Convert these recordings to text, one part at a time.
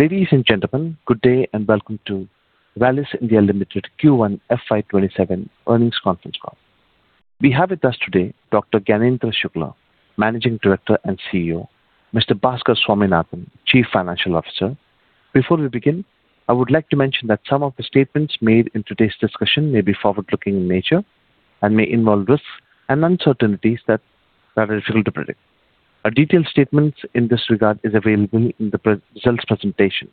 Ladies and gentlemen, good day and welcome to Rallis India Limited Q1 FY 2027 Earnings Conference Call. We have with us today Dr. Gyanendra Shukla, Managing Director and CEO, Mr. Bhaskar Swaminathan, Chief Financial Officer. Before we begin, I would like to mention that some of the statements made in today's discussion may be forward-looking in nature and may involve risks and uncertainties that are difficult to predict. A detailed statement in this regard is available in the results presentation.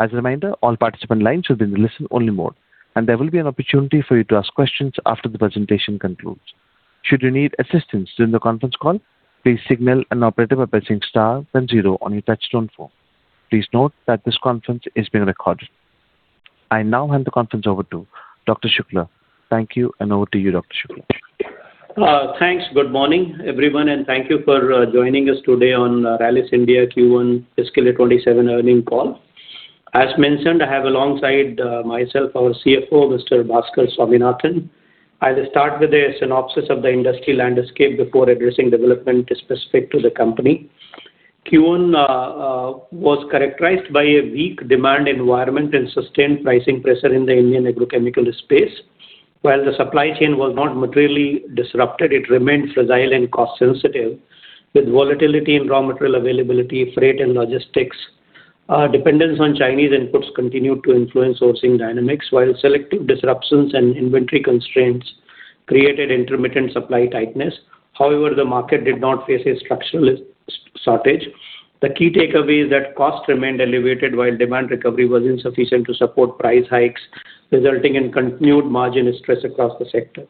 As a reminder, all participant lines will be in listen only mode, and there will be an opportunity for you to ask questions after the presentation concludes. Should you need assistance during the conference call, please signal an operator by pressing star then zero on your touch-tone phone. Please note that this conference is being recorded. I now hand the conference over to Dr. Shukla. Thank you, over to you, Dr. Shukla. Thanks. Good morning, everyone, and thank you for joining us today on Rallis India Q1 fiscal year 2027 earnings call. As mentioned, I have alongside myself our CFO, Mr. Bhaskar Swaminathan. I'll start with a synopsis of the industry landscape before addressing development specific to the company. Q1 was characterized by a weak demand environment and sustained pricing pressure in the Indian agrochemical space. While the supply chain was not materially disrupted, it remained fragile and cost-sensitive, with volatility in raw material availability, freight, and logistics. Dependence on Chinese inputs continued to influence sourcing dynamics, while selective disruptions and inventory constraints created intermittent supply tightness. However, the market did not face a structural shortage. The key takeaway is that cost remained elevated while demand recovery was insufficient to support price hikes, resulting in continued margin stress across the sector.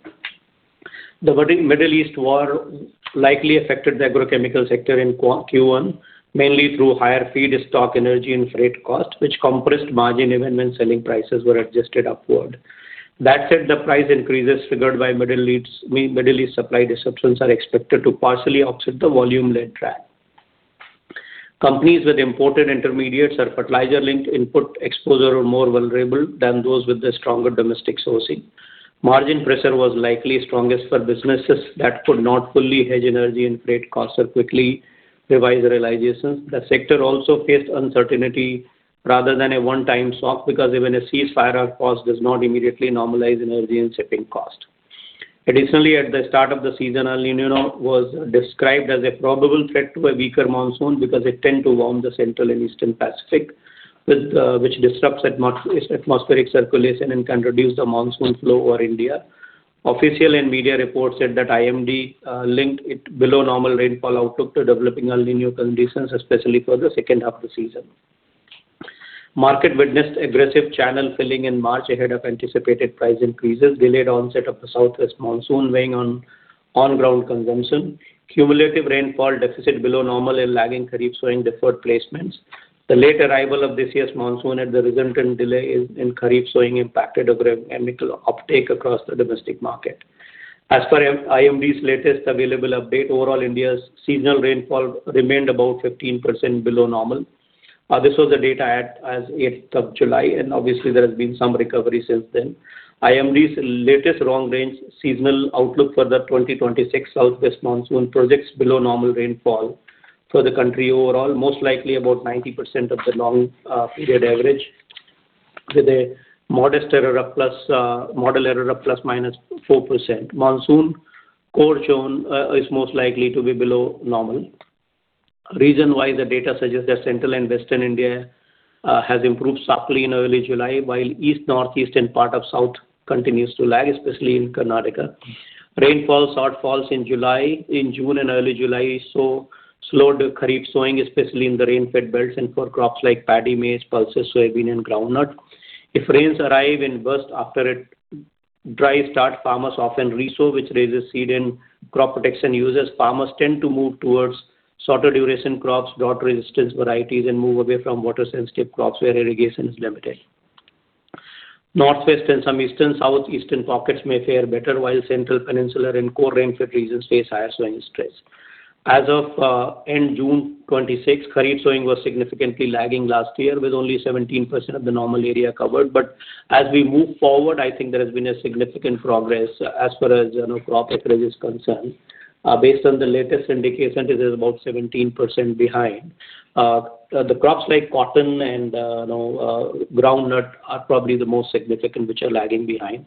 The budding Middle East war likely affected the agrochemical sector in Q1, mainly through higher feedstock, energy, and freight costs, which compressed margin even when selling prices were adjusted upward. That said, the price increases triggered by Middle East supply disruptions are expected to partially offset the volume-led drag. Companies with imported intermediates or fertilizer-linked input exposure are more vulnerable than those with a stronger domestic sourcing. Margin pressure was likely strongest for businesses that could not fully hedge energy and freight costs or quickly revise realizations. The sector also faced uncertainty rather than a one-time shock because even a ceasefire, of course, does not immediately normalize energy and shipping costs. Additionally, at the start of the season, El Niño was described as a probable threat to a weaker monsoon because it tends to warm the central and eastern Pacific, which disrupts atmospheric circulation and can reduce the monsoon flow over India. Official and media reports said that IMD linked its below normal rainfall outlook to developing El Niño conditions, especially for the second half of the season. Market witnessed aggressive channel filling in March ahead of anticipated price increases, delayed onset of the southwest monsoon weighing on ground consumption, cumulative rainfall deficit below normal and lagging Kharif sowing deferred placements. The late arrival of this year's monsoon and the resultant delay in Kharif sowing impacted agrochemical uptake across the domestic market. As per IMD's latest available update, overall India's seasonal rainfall remained about 15% below normal. This was the data as at 8th of July. Obviously, there has been some recovery since then. IMD's latest long-range seasonal outlook for the 2026 southwest monsoon projects below normal rainfall for the country overall, most likely about 90% of the long period average, with a modest error ±4%. Monsoon core zone is most likely to be below normal. Reason why the data suggests that central and western India has improved sharply in early July, while east, northeast, and part of south continues to lag, especially in Karnataka. Rainfall shortfalls in June and early July slowed Kharif sowing, especially in the rain-fed belts and for crops like paddy, maize, pulses, soybean, and groundnut. If rains arrive in burst after a dry start, farmers often resow, which raises seed and crop protection usage. Farmers tend to move towards shorter duration crops, drought-resistant varieties, and move away from water-sensitive crops where irrigation is limited. Northwest and some eastern, southeastern pockets may fare better, while central peninsular and core rain-fed regions face higher sowing stress. As of end June 2026, Kharif sowing was significantly lagging last year with only 17% of the normal area covered. As we move forward, I think there has been a significant progress as far as crop acreage is concerned. Based on the latest indication, it is about 17% behind. The crops like cotton and groundnut are probably the most significant, which are lagging behind.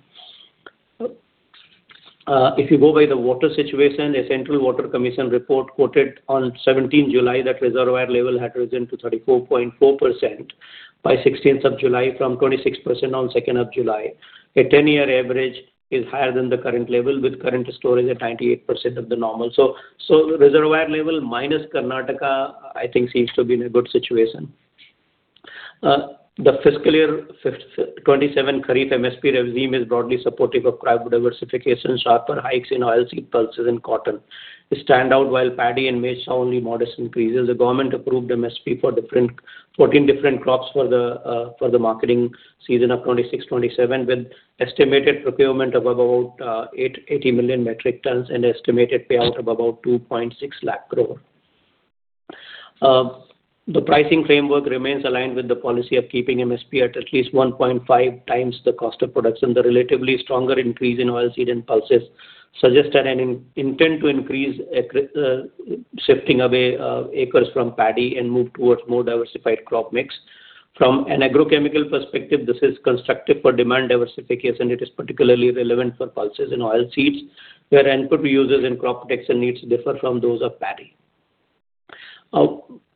If you go by the water situation, a Central Water Commission report quoted on 17th July that reservoir level had risen to 34.4% by 16th of July from 26% on 2nd of July. A 10-year average is higher than the current level with current storage at 98% of the normal. Reservoir level, minus Karnataka, I think seems to be in a good situation. The fiscal year 2027 Kharif MSP regime is broadly supportive of crop diversification, sharper hikes in oilseed, pulses, and cotton. The standout while paddy and maize saw only modest increases. The government approved MSP for 14 different crops for the marketing season of 2026/27, with estimated procurement of about 880 million metric tons and estimated payout of about 2.6 lakh crore. The pricing framework remains aligned with the policy of keeping MSP at least 1.5x the cost of production. The relatively stronger increase in oilseed and pulses Suggest an intent to increase shifting away acres from paddy and move towards more diversified crop mix. From an agrochemical perspective, this is constructive for demand diversification. It is particularly relevant for pulses and oil seeds, where input users and crop protection needs differ from those of paddy.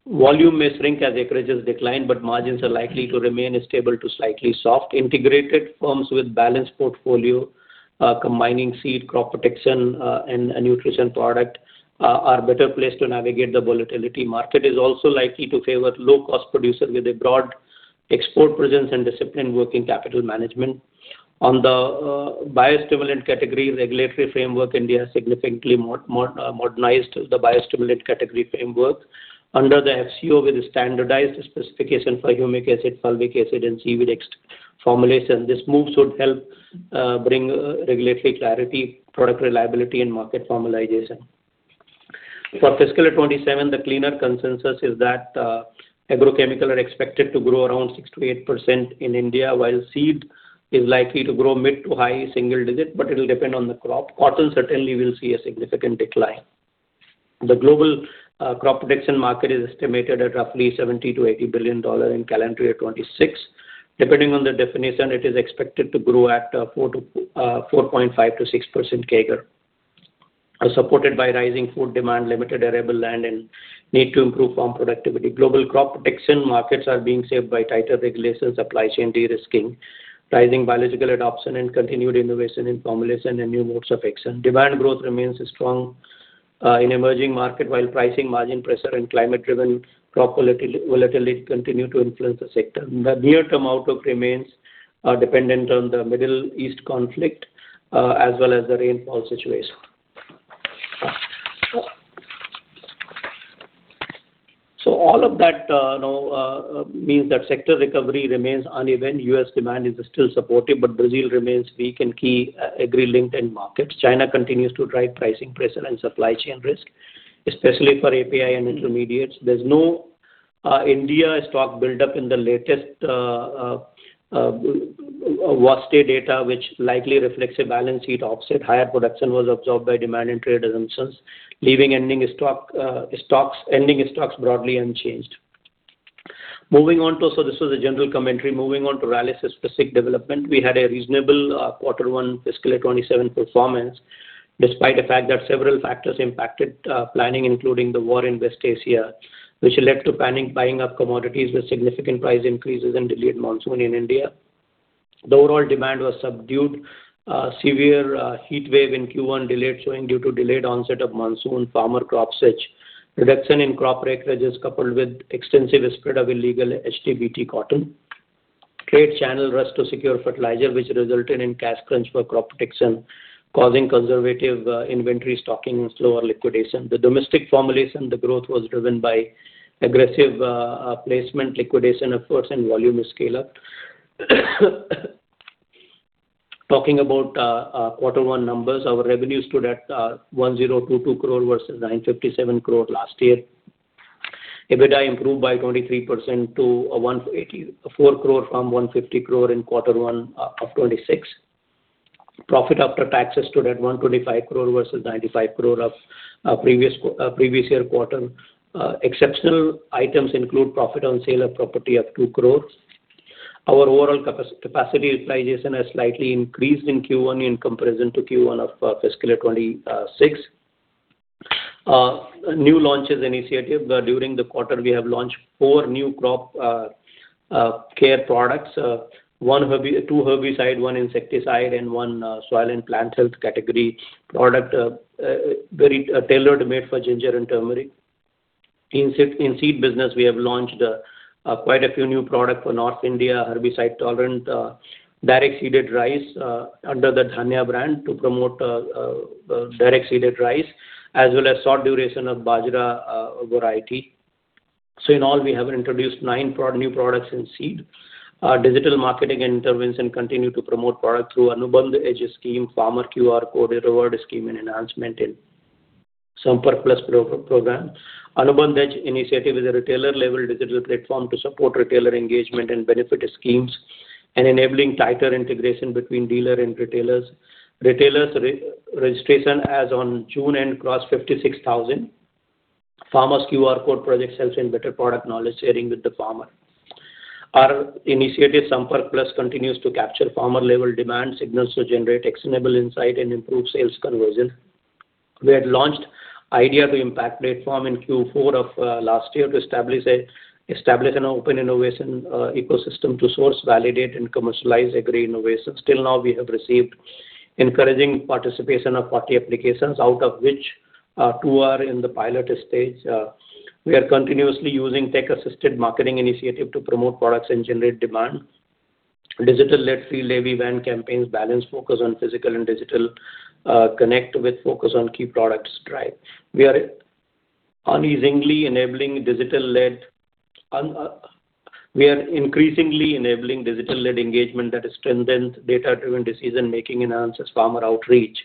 Volume may shrink as acreages decline, but margins are likely to remain stable to slightly soft. Integrated firms with balanced portfolio, combining seed, crop protection, and a nutrition product are better placed to navigate the volatility. Market is also likely to favor low-cost producers with a broad export presence and disciplined working capital management. On the biostimulant category regulatory framework, India significantly modernized the biostimulant category framework. Under the FCO with standardized specification for humic acid, fulvic acid, and seaweed extract formulation. This move should help bring regulatory clarity, product reliability, and market formalization. For fiscal 2027, the cleaner consensus is that agrochemical are expected to grow around 6%-8% in India, while seed is likely to grow mid to high single digit, but it'll depend on the crop. Cotton certainly will see a significant decline. The global crop protection market is estimated at roughly $70 billion-$80 billion in calendar year 2026. Depending on the definition, it is expected to grow at 4.5%-6% CAGR. Are supported by rising food demand, limited arable land, and need to improve farm productivity. Global crop protection markets are being shaped by tighter regulations, supply chain de-risking, rising biological adoption, and continued innovation in formulation and new modes of action. Demand growth remains strong in emerging market while pricing margin pressure and climate-driven crop volatility continue to influence the sector. The near-term outlook remains dependent on the Middle East conflict, as well as the rainfall situation. All of that means that sector recovery remains uneven. U.S. demand is still supportive, but Brazil remains weak in key agri-linked end markets. China continues to drive pricing pressure and supply chain risk, especially for API and intermediates. There's no India stock buildup in the latest WASDE data which likely reflects a balanced sheet offset. Higher production was absorbed by demand and trade assumptions, leaving ending stocks broadly unchanged. This was a general commentary. Moving on to Rallis' specific development, we had a reasonable quarter one fiscal 2027 performance, despite the fact that several factors impacted planning, including the war in West Asia, which led to panic buying of commodities with significant price increases and delayed monsoon in India. The overall demand was subdued. Severe heat wave in Q1 delayed showing due to delayed onset of monsoon, farmer crop switch, reduction in crop acreages coupled with extensive spread of illegal HTBt cotton. Trade channel rush to secure fertilizer, which resulted in cash crunch for crop protection, causing conservative inventory stocking and slower liquidation. The domestic formulations, the growth was driven by aggressive placement, liquidation efforts, and volume scale-up. Talking about quarter one numbers, our revenues stood at 1,022 crore versus 957 crore last year. EBITDA improved by 23% to 184 crore from 150 crore in quarter one of 2026. Profit after taxes stood at 125 crore versus 95 crore of previous year quarter. Exceptional items include profit on sale of property of 2 crore. Our overall capacity utilization has slightly increased in Q1 in comparison to Q1 of fiscal 2026. New launches initiative. During the quarter, we have launched four new crop care products. Two herbicide, one insecticide, and one soil and plant health category product, very tailor-made for ginger and turmeric. In seed business, we have launched quite a few new product for North India. Herbicide tolerant, direct seeded rice under the Dhaanya brand to promote direct seeded rice, as well as short duration of Bajra variety. In all, we have introduced nine new products in seed. Our digital marketing intervention continue to promote product through Anubandh Edge scheme, Farmer QR code reward scheme and enhancement in Sampark Plus program. Anubandh Edge initiative is a retailer-level digital platform to support retailer engagement and benefit schemes and enabling tighter integration between dealer and retailers. Retailers registration as on June-end crossed 56,000. Farmers QR code project helps in better product knowledge sharing with the farmer. Our initiative Sampark Plus continues to capture farmer-level demand signals to generate actionable insight and improve sales conversion. We had launched Idea to Impact platform in Q4 of last year to establish an open innovation ecosystem to source, validate, and commercialize agri innovations. Till now, we have received encouraging participation of 40 applications, out of which two are in the pilot stage. We are continuously using tech-assisted marketing initiative to promote products and generate demand. Digital-led field heavy van campaigns balance focus on physical and digital connect with focus on key products drive. We are increasingly enabling digital-led engagement that strengthens data-driven decision making enhances farmer outreach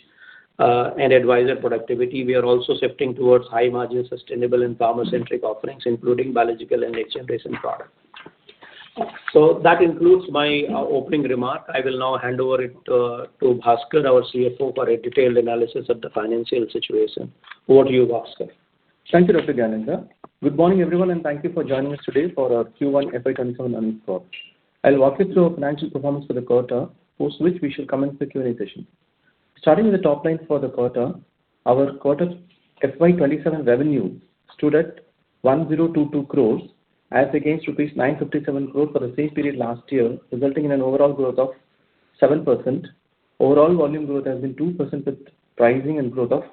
and advisor productivity. We are also shifting towards high-margin, sustainable and farmer-centric offerings, including biological and next-generation product. That concludes my opening remark. I will now hand over it to Bhaskar, our CFO, for a detailed analysis of the financial situation. Over to you, Bhaskar. Thank you, Dr. Gyanendra. Good morning, everyone, and thank you for joining us today for our Q1 FY 2027 earnings call. I'll walk you through our financial performance for the quarter, post which we shall commence the Q&A session. Starting with the top line for the quarter, our quarter FY 2027 revenue stood at 1,022 crores, as against rupees 957 crore for the same period last year, resulting in an overall growth of 7%. Overall volume growth has been 2%, with pricing and growth of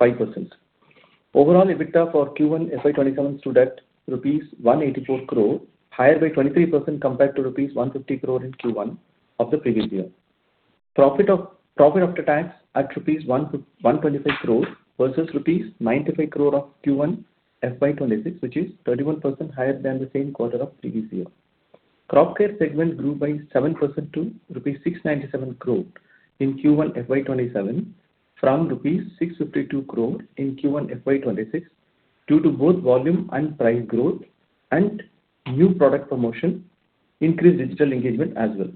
5%. Overall, EBITDA for Q1 FY 2027 stood at rupees 184 crore, higher by 23% compared to rupees 150 crore in Q1 of the previous year. Profit after tax at rupees 125 crores, versus rupees 95 crore of Q1 FY 2026, which is 31% higher than the same quarter of previous year. Crop care segment grew by 7% to rupees 697 crore in Q1 FY 2027 from rupees 652 crore in Q1 FY 2026, due to both volume and price growth and new product promotion, increased digital engagement as well.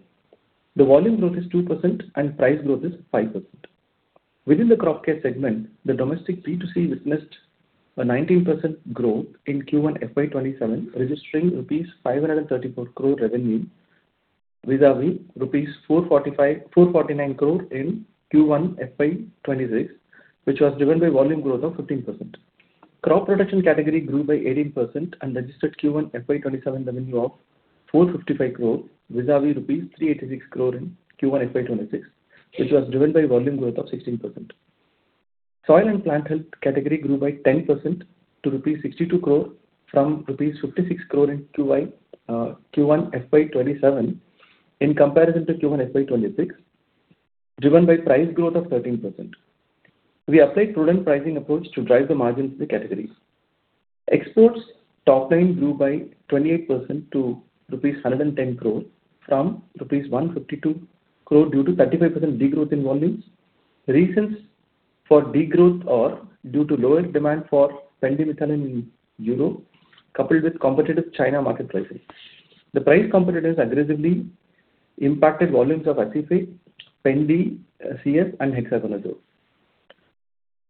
The volume growth is 2% and price growth is 5%. Within the crop care segment, the domestic B2C witnessed a 19% growth in Q1 FY 2027, registering rupees 534 crore revenue, vis-à-vis rupees 449 crore in Q1 FY 2026, which was driven by volume growth of 15%. Crop production category grew by 18% and registered Q1 FY 2027 revenue of 455 crore, vis-à-vis rupees 386 crore in Q1 FY 2026, which was driven by volume growth of 16%. Soil and plant health category grew by 10% to rupees 62 crore from rupees 56 crore in Q1 FY 2027 in comparison to Q1 FY 2026, driven by price growth of 13%. We applied prudent pricing approach to drive the margins of the categories. Exports top line grew by 28% to rupees 110 crore from rupees 152 crore due to 35% degrowth in volumes. Reasons for degrowth are due to lower demand for pendimethalin in Europe, coupled with competitive China market pricing. The price competitiveness aggressively impacted volumes of acephate, pendi, CS, and hexaconazole.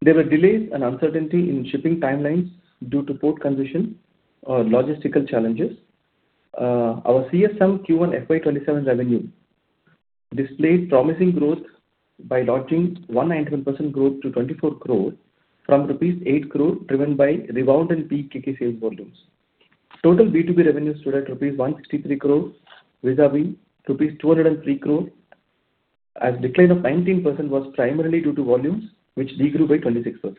There were delays and uncertainty in shipping timelines due to port congestion or logistical challenges. Our CSM Q1 FY 2027 revenue displayed promising growth by lodging 191% growth to 24 crore from rupees 8 crore, driven by Recount and Peak KK sales volumes. Total B2B revenue stood at rupees 163 crore, vis-à-vis rupees 203 crore, as decline of 19% was primarily due to volumes which degrew by 26%.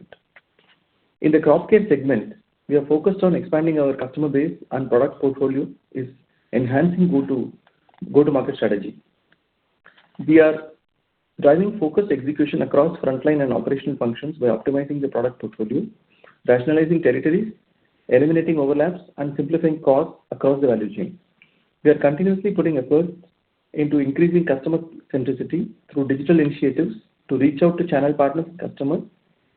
In the crop care segment, we are focused on expanding our customer base and product portfolio is enhancing go-to-market strategy. We are driving focused execution across frontline and operational functions by optimizing the product portfolio, rationalizing territories, eliminating overlaps, and simplifying costs across the value chain. We are continuously putting efforts into increasing customer centricity through digital initiatives to reach out to channel partners, customers,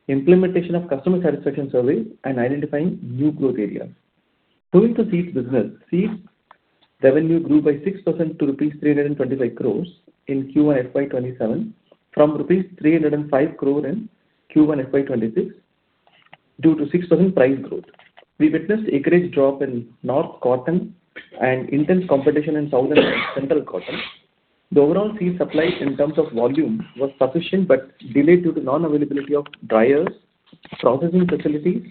implementation of customer satisfaction surveys, and identifying new growth areas. Moving to seeds business. Seed revenue grew by 6% to rupees 325 crores in Q1 FY 2027 from rupees 305 crore in Q1 FY 2026, due to 6% price growth. We witnessed acreage drop in north cotton and intense competition in south and central cotton. The overall seed supply in terms of volume was sufficient but delayed due to non-availability of dryers, processing facilities,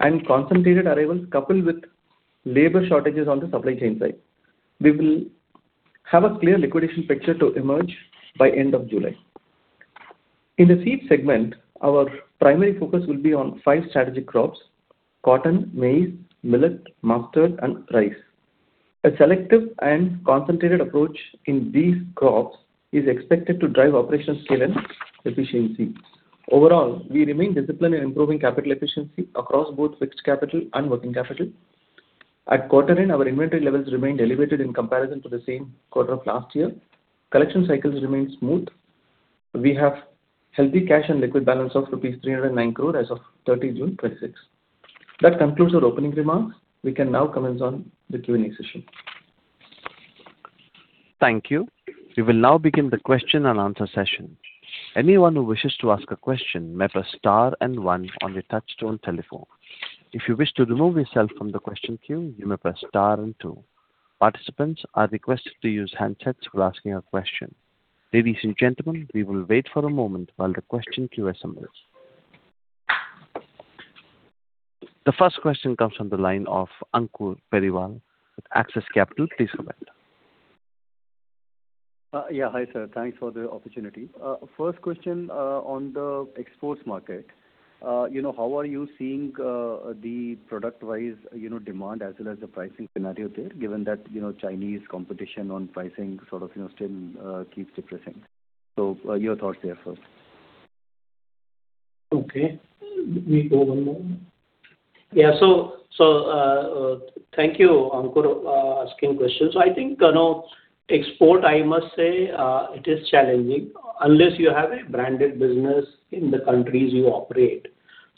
and concentrated arrivals, coupled with labor shortages on the supply chain side. We will have a clear liquidation picture to emerge by end of July. In the seed segment, our primary focus will be on five strategic crops, cotton, maize, millet, mustard, and rice. A selective and concentrated approach in these crops is expected to drive operational scale and efficiency. Overall, we remain disciplined in improving capital efficiency across both fixed capital and working capital. At quarter end, our inventory levels remained elevated in comparison to the same quarter of last year. Collection cycles remained smooth. We have healthy cash and liquid balance of rupees 309 crore as of 30 June 2026. That concludes our opening remarks. We can now commence on the Q&A session. Thank you. We will now begin the question and answer session. Anyone who wishes to ask a question may press star and one on your touchtone telephone. If you wish to remove yourself from the question queue, you may press star and two. Participants are requested to use handsets for asking a question. Ladies and gentlemen, we will wait for a moment while the question queue assembles. The first question comes from the line of Ankur Periwal with Axis Capital. Please go ahead. Yeah. Hi, sir. Thanks for the opportunity. First question on the exports market. How are you seeing the product wise demand as well as the pricing scenario there, given that Chinese competition on pricing sort of still keeps depressing? Your thoughts there first. Okay. We go one more. Yeah. Thank you, Ankur, asking questions. I think export, I must say, it is challenging unless you have a branded business in the countries you operate.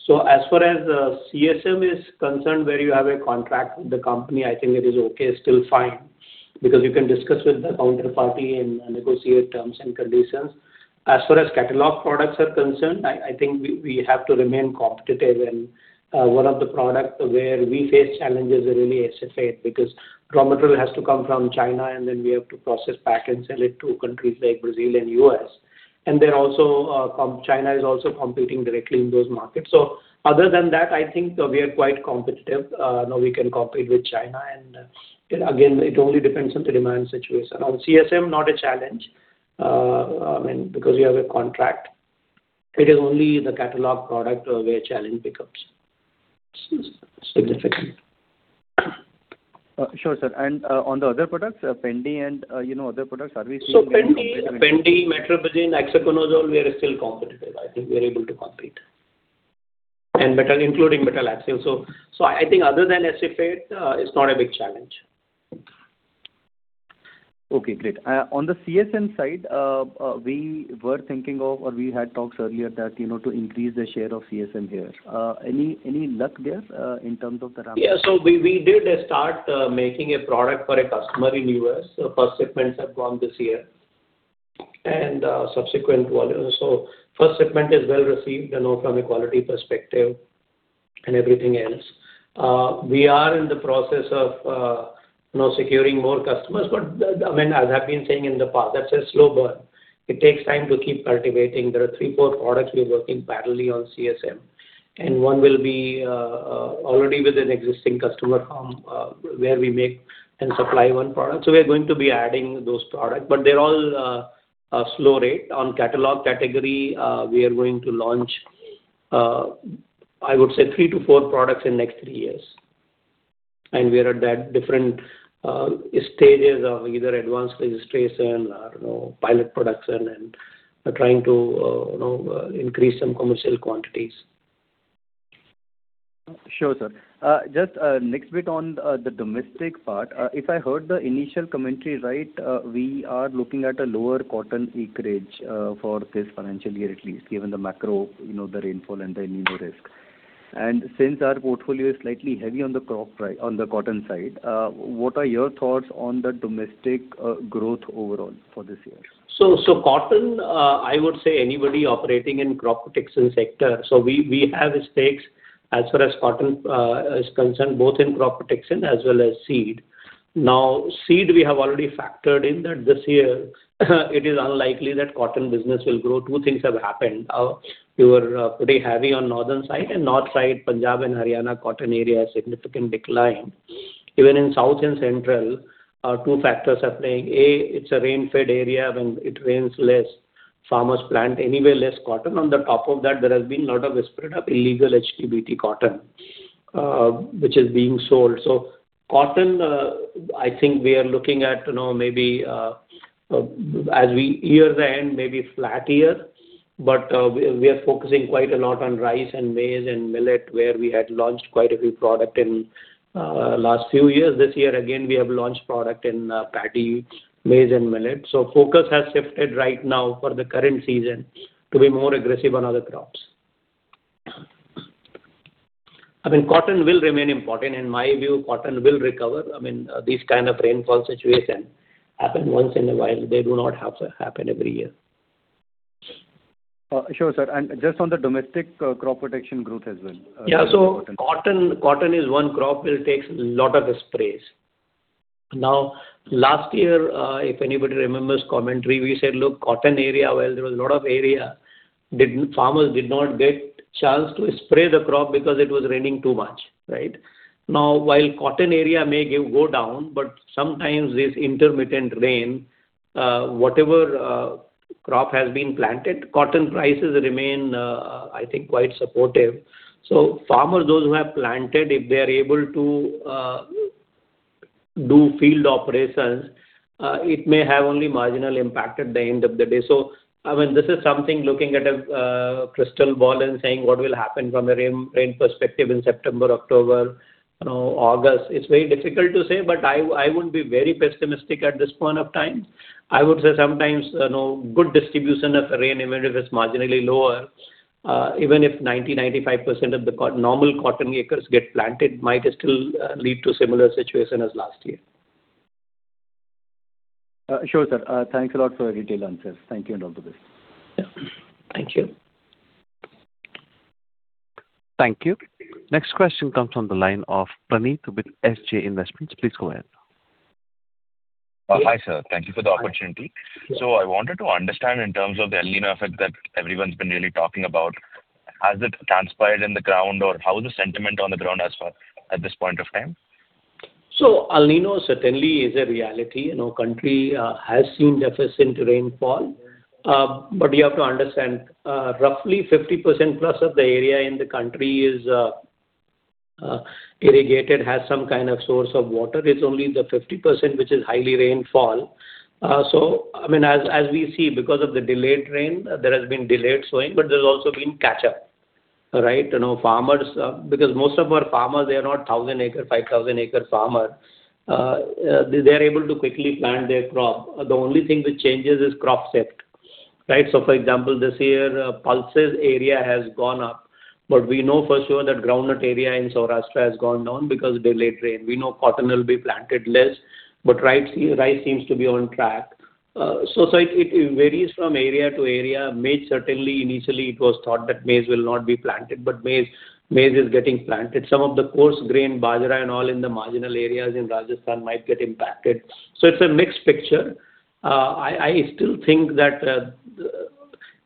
As far as CSM is concerned, where you have a contract with the company, I think it is okay, still fine, because you can discuss with the counterparty and negotiate terms and conditions. As far as catalog products are concerned, I think we have to remain competitive. One of the products where we face challenges are really SF8, because raw material has to come from China, then we have to process, pack, and sell it to countries like Brazil and U.S. China is also competing directly in those markets. Other than that, I think we are quite competitive. Now we can compete with China, and again, it only depends on the demand situation. On CSM, not a challenge, because we have a contract. It is only the catalog product where challenge becomes significant. Sure, sir. On the other products, pendi and other products, are we seeing? Pendi, metribuzin, hexaconazole, we are still competitive. I think we are able to compete. Including metalaxyl. I think other than SF8, it's not a big challenge. Okay, great. On the CSM side, we were thinking of or we had talks earlier that to increase the share of CSM here. Any luck there in terms of the ramp? Yeah. We did start making a product for a customer in U.S. First shipments have gone this year and subsequent volumes. First shipment is well received, from a quality perspective and everything else. We are in the process of securing more customers. As I've been saying in the past, that's a slow burn. It takes time to keep cultivating. There are three, four products we are working parallelly on CSM, and one will be already with an existing customer where we make and supply one product. We are going to be adding those products, but they're all a slow rate. On catalog category, we are going to launch, I would say three to four products in next three years. We are at different stages of either advanced registration or pilot production and trying to increase some commercial quantities. Sure, sir. Just next bit on the domestic part. If I heard the initial commentary right, we are looking at a lower cotton acreage for this financial year, at least given the macro, the rainfall, and the El Niño risk. Since our portfolio is slightly heavy on the cotton side, what are your thoughts on the domestic growth overall for this year? Cotton, I would say anybody operating in crop protection sector. We have stakes as far as cotton is concerned, both in crop protection as well as seed. Seed, we have already factored in that this year it is unlikely that cotton business will grow. Two things have happened. We were pretty heavy on northern side and north side, Punjab and Haryana cotton area has significant decline. Even in south and central, two factors are playing. A, it's a rain-fed area. When it rains less, farmers plant anyway less cotton. On the top of that, there has been a lot of whisper of illegal HTBt cotton which is being sold. Cotton, I think we are looking at, as we near the end, maybe flat year, but we are focusing quite a lot on rice and maize and millet where we had launched quite a few product in last few years. This year again, we have launched product in paddy, maize, and millet. Focus has shifted right now for the current season to be more aggressive on other crops. Cotton will remain important. In my view, cotton will recover. These kind of rainfall situation happen once in a while. They do not have to happen every year. Sure, sir. Just on the domestic crop protection growth as well. Yeah. Cotton is one crop will takes lot of the sprays. Last year, if anybody remembers commentary, we said, look, cotton area, well, there was a lot of area. Farmers did not get chance to spray the crop because it was raining too much. Right? While cotton area may go down, sometimes this intermittent rain, whatever crop has been planted, cotton prices remain, I think, quite supportive. Farmers, those who have planted, if they are able to do field operations, it may have only marginal impact at the end of the day. This is something looking at a crystal ball and saying what will happen from a rain perspective in September, October, August. It's very difficult to say, I wouldn't be very pessimistic at this point of time. I would say sometimes good distribution of rain, even if it's marginally lower, even if 90%-95% of the normal cotton acres get planted, might still lead to similar situation as last year. Sure, sir. Thanks a lot for your detailed answers. Thank you and all the best. Yeah. Thank you. Thank you. Next question comes from the line of Praneeth with SJ Investments. Please go ahead. Hi, sir. Thank you for the opportunity. I wanted to understand in terms of the El Niño effect that everyone's been really talking about, has it transpired in the ground, or how is the sentiment on the ground as far at this point of time? El Niño certainly is a reality. The country has seen deficient rainfall. You have to understand, roughly 50%+ of the area in the country is irrigated, has some kind of source of water. It's only the 50% which is highly rainfall-dependent. As we see, because of the delayed rain, there has been delayed sowing, but there's also been catch-up. Right? Most of our farmers, they are not 1,000-acre, 5,000-acre farmers. They are able to quickly plant their crop. The only thing which changes is crop set. Right. For example, this year, pulses area has gone up, but we know for sure that groundnut area in Saurashtra has gone down because of delayed rain. We know cotton will be planted less, but rice seems to be on track. It varies from area to area. Maize, certainly initially it was thought that maize will not be planted, but maize is getting planted. Some of the coarse grain, bajra and all in the marginal areas in Rajasthan might get impacted. It's a mixed picture. I still think that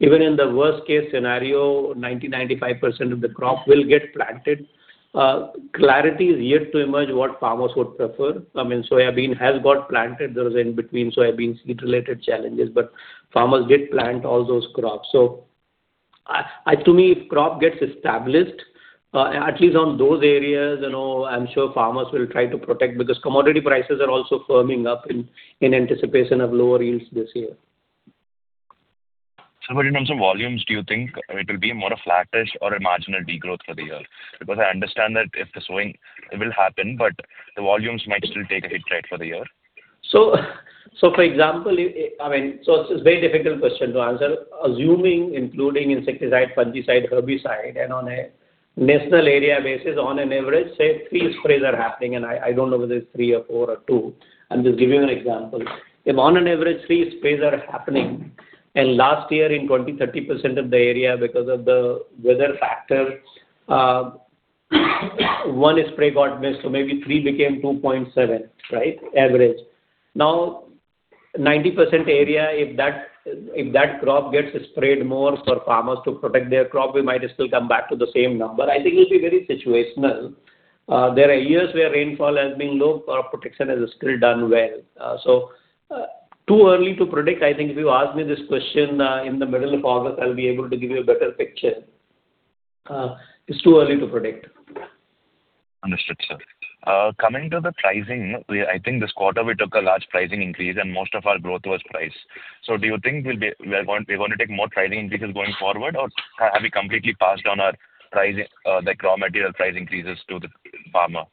even in the worst-case scenario, 90%, 95% of the crop will get planted. Clarity is yet to emerge what farmers would prefer. Soybean has got planted. There is in between soybean seed-related challenges, but farmers did plant all those crops. To me, if crop gets established, at least on those areas, I'm sure farmers will try to protect because commodity prices are also firming up in anticipation of lower yields this year. Sir, in terms of volumes, do you think it will be more of flattish or a marginal degrowth for the year? I understand that if the sowing, it will happen, but the volumes might still take a hit for the year. For example, it's a very difficult question to answer. Assuming including insecticide, fungicide, herbicide, and on a national area basis, on an average, say three sprays are happening, and I don't know whether it's three or four or two. I'm just giving you an example. If on an average, three sprays are happening, and last year in 20%-30% of the area because of the weather factor, one spray got missed, maybe three became 2.7 on average. Now, 90% area, if that crop gets sprayed more for farmers to protect their crop, we might still come back to the same number. I think it'll be very situational. There are years where rainfall has been low, crop protection has still done well. Too early to predict. I think if you ask me this question in the middle of August, I'll be able to give you a better picture. It's too early to predict. Understood, sir. Coming to the pricing, I think this quarter we took a large pricing increase and most of our growth was price. Do you think we're going to take more price increases going forward? Or have we completely passed on our raw material price increases to the farmer?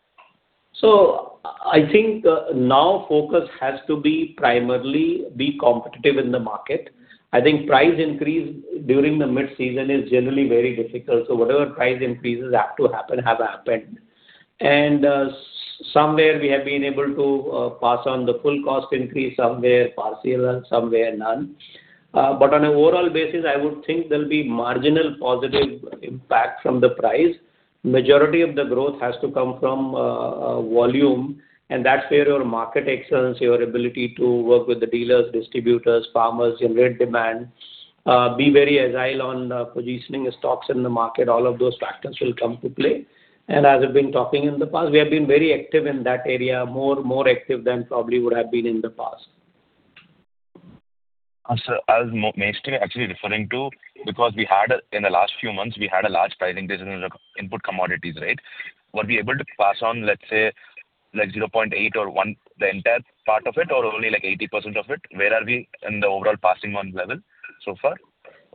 I think now focus has to be primarily be competitive in the market. I think price increase during the mid-season is generally very difficult. Whatever price increases have to happen, have happened. Somewhere we have been able to pass on the full cost increase, somewhere partial and somewhere none. On an overall basis, I would think there'll be marginal positive impact from the price. Majority of the growth has to come from volume, and that's where your market excellence, your ability to work with the dealers, distributors, farmers, generate demand, be very agile on positioning stocks in the market, all of those factors will come to play. As I've been talking in the past, we have been very active in that area, more active than probably would have been in the past. I was mainly still actually referring to, because in the last few months, we had a large pricing increase in input commodities, right? Were we able to pass on, let's say, 0.8 or 1, the entire part of it or only 80% of it? Where are we in the overall passing on level so far?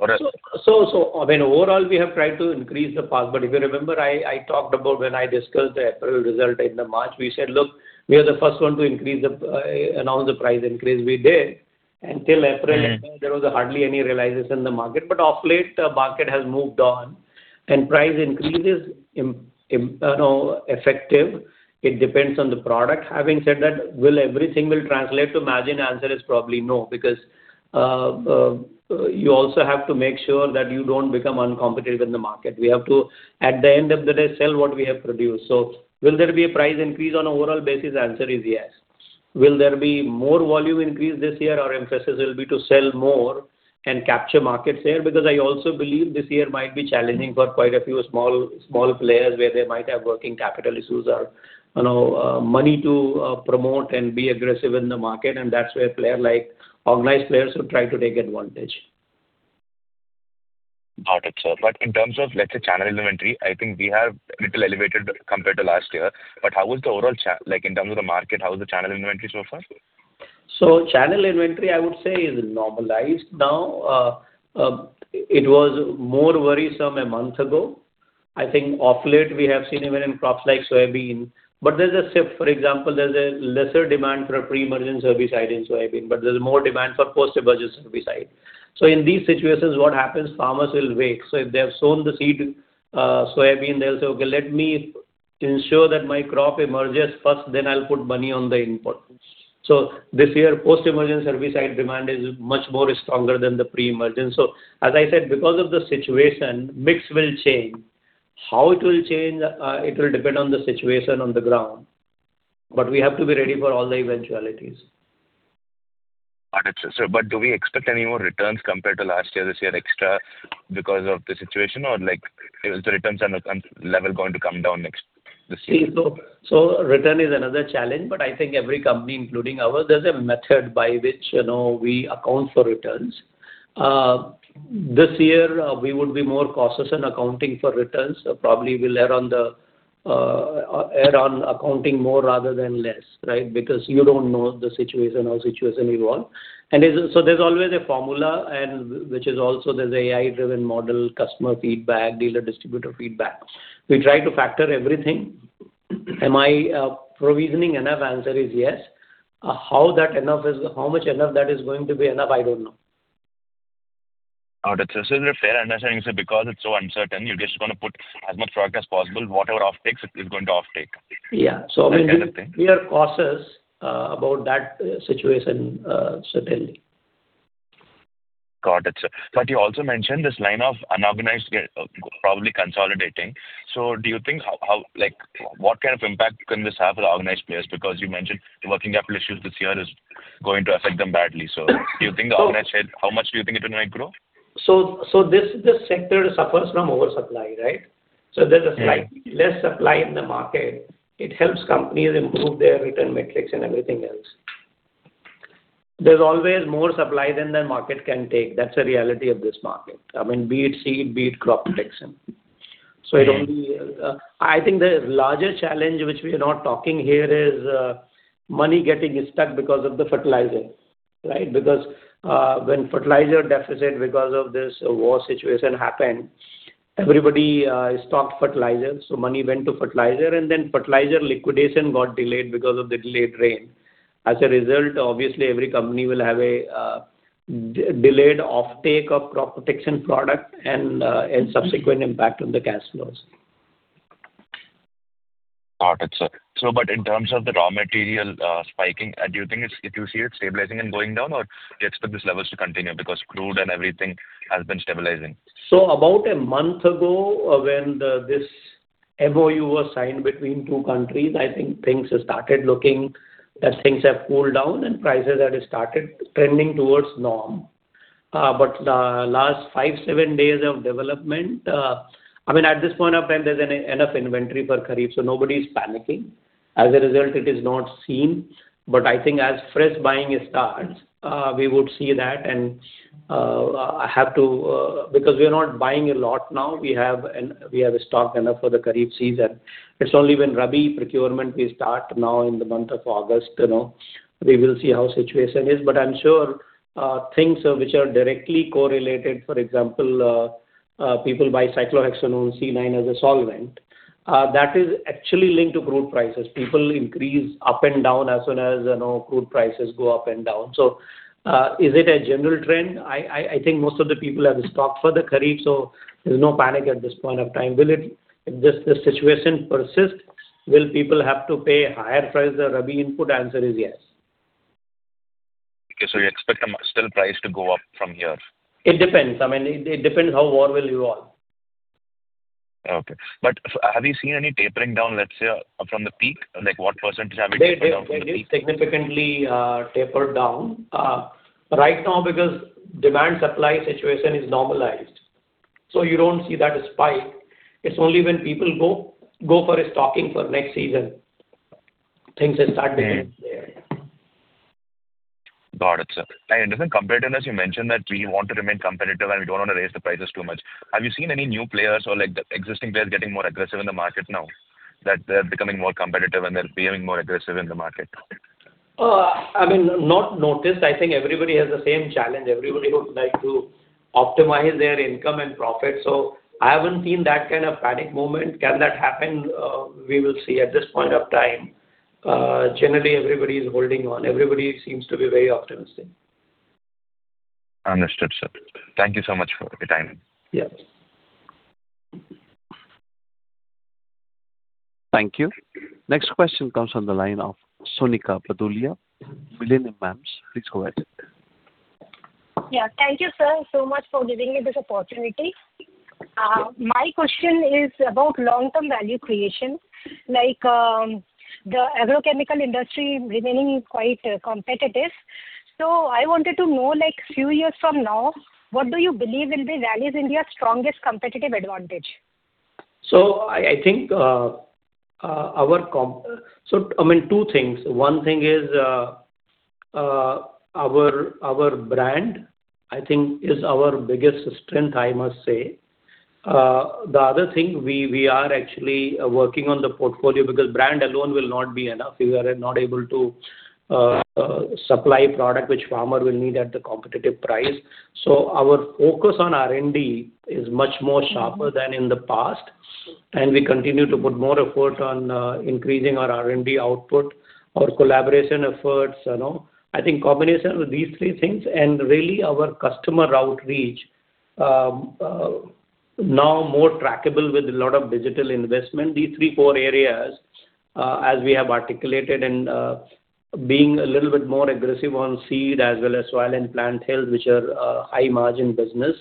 Overall, we have tried to increase the pass. If you remember, I talked about when I discussed the April result in March, we said, look, we are the first one to announce the price increase. We did. Until April, there was hardly any realization in the market. Of late the market has moved on. Price increases, effective, it depends on the product. Having said that, will everything will translate to margin? Answer is probably no, because you also have to make sure that you don't become uncompetitive in the market. We have to, at the end of the day, sell what we have produced. Will there be a price increase on overall basis? The answer is yes. Will there be more volume increase this year? Our emphasis will be to sell more and capture market share, because I also believe this year might be challenging for quite a few small players where they might have working capital issues or money to promote and be aggressive in the market, and that's where organized players will try to take advantage. Got it, sir. In terms of, let's say, channel inventory, I think we have a little elevated compared to last year. How is the overall, in terms of the market, how is the channel inventory so far? Channel inventory, I would say is normalized now. It was more worrisome a month ago. I think of late we have seen even in crops like soybean. There's a shift, for example, there's a lesser demand for a pre-emergence herbicide in soybean, but there's more demand for post-emergent herbicide. In these situations, what happens, farmers will wait. If they have sown the seed, soybean, they'll say, "Okay, let me ensure that my crop emerges first, then I'll put money on the input." This year, post-emergence herbicide demand is much more stronger than the pre-emergence. As I said, because of the situation, mix will change. How it will change, it will depend on the situation on the ground. We have to be ready for all the eventualities. Got it, sir. Do we expect any more returns compared to last year, this year, extra because of the situation? Or is the returns level going to come down this year? Return is another challenge, but I think every company, including ours, there's a method by which we account for returns. This year, we would be more cautious in accounting for returns. Probably we'll err on accounting more rather than less. Because you don't know the situation how situation will run. There's always a formula, which is also there's AI-driven model, customer feedback, dealer distributor feedback. We try to factor everything. Am I provisioning enough? Answer is yes. How much enough that is going to be enough, I don't know. Got it. Is it a fair understanding, sir, because it's so uncertain, you're just going to put as much product as possible, whatever offtakes it is going to offtake? That kind of thing. We are cautious about that situation, certainly. Got it, sir. You also mentioned this line of unorganized probably consolidating. Do you think what kind of impact can this have on organized players? Because you mentioned the working capital issues this year is going to affect them badly. Do you think the organized side, how much do you think it might grow? This sector suffers from oversupply, right? There's a slight less supply in the market. It helps companies improve their return metrics and everything else. There's always more supply than the market can take. That's the reality of this market. Be it seed, be it crop protection. I think the larger challenge which we are not talking here is money getting stuck because of the fertilizer. Right? Because when fertilizer deficit because of this war situation happened, everybody stocked fertilizer, money went to fertilizer, and then fertilizer liquidation got delayed because of the delayed rain. As a result, obviously, every company will have a delayed offtake of crop protection product and a subsequent impact on the cash flows. Got it, sir. In terms of the raw material spiking, do you think if you see it stabilizing and going down or do you expect these levels to continue? Because crude and everything has been stabilizing. About a month ago, when this MoU was signed between two countries, I think things have started looking that things have cooled down and prices have started trending towards norm. The last five, seven days of development. At this point of time, there's enough inventory for Kharif, so nobody is panicking. As a result, it is not seen. I think as fresh buying starts, we would see that, and because we are not buying a lot now, we have a stock enough for the Kharif season. It's only when Rabi procurement will start now in the month of August, we will see how situation is. I'm sure things which are directly correlated, for example, people buy cyclohexanone C9 as a solvent, that is actually linked to crude prices. People increase up and down as soon as crude prices go up and down. Is it a general trend? I think most of the people have stocked for the Kharif, so there's no panic at this point of time. If this situation persists, will people have to pay higher price than Rabi input? Answer is yes. Okay. You expect still price to go up from here? It depends. It depends how war will evolve. Okay. Have you seen any tapering down, let's say, from the peak? Like what percent have you They did significantly taper down. Right now, because demand-supply situation is normalized, so you don't see that spike. It's only when people go for a stocking for next season, things will start beginning there. Got it, sir. In terms of competitiveness, you mentioned that we want to remain competitive and we don't want to raise the prices too much. Have you seen any new players or the existing players getting more aggressive in the market now that they're becoming more competitive and they're becoming more aggressive in the market? Not noticed. I think everybody has the same challenge. Everybody would like to optimize their income and profit. I haven't seen that kind of panic moment. Can that happen? We will see. At this point of time, generally, everybody is holding on. Everybody seems to be very optimistic. Understood, sir. Thank you so much for the time. Yes. Thank you. Next question comes on the line of Sonika Patolia, Millennium Mams. Please go ahead. Yeah. Thank you, sir, so much for giving me this opportunity. My question is about long-term value creation, like the agrochemical industry remaining quite competitive. I wanted to know, few years from now, what do you believe will be Rallis India's strongest competitive advantage? I think two things. One thing is our brand, I think, is our biggest strength, I must say. The other thing, we are actually working on the portfolio because brand alone will not be enough if we are not able to supply product which farmer will need at the competitive price. Our focus on R&D is much more sharper than in the past, and we continue to put more effort on increasing our R&D output, our collaboration efforts. I think combination of these three things and really our customer outreach, now more trackable with a lot of digital investment. These three, four areas, as we have articulated and being a little bit more aggressive on seed as well as soil and plant health, which are high-margin business.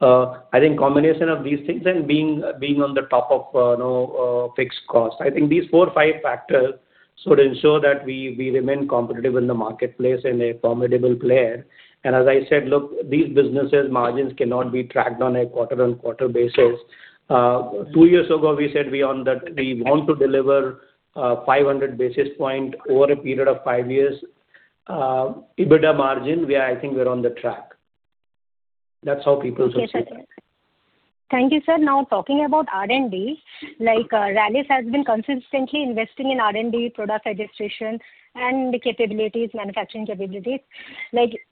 I think combination of these things and being on the top of fixed cost. I think these four, five factors should ensure that we remain competitive in the marketplace and a formidable player. As I said, look, these businesses margins cannot be tracked on a quarter-on-quarter basis. Two years ago, we said we want to deliver 500 basis points over a period of five years EBITDA margin. I think we're on the track. That's how people should see it. Okay, sir. Thank you, sir. Talking about R&D, Rallis has been consistently investing in R&D product registration and the capabilities, manufacturing capabilities.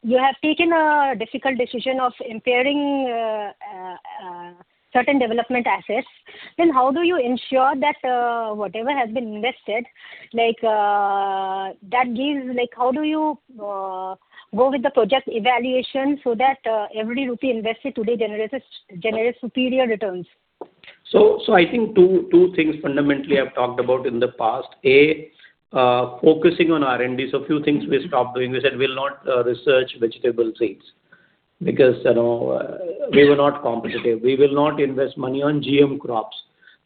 You have taken a difficult decision of impairing certain development assets, how do you ensure that whatever has been invested, how do you go with the project evaluation so that every rupee invested today generates superior returns? I think two things fundamentally I've talked about in the past. A, focusing on R&D. A few things we stopped doing. We said we'll not research vegetable seeds because we were not competitive. We will not invest money on GM crops.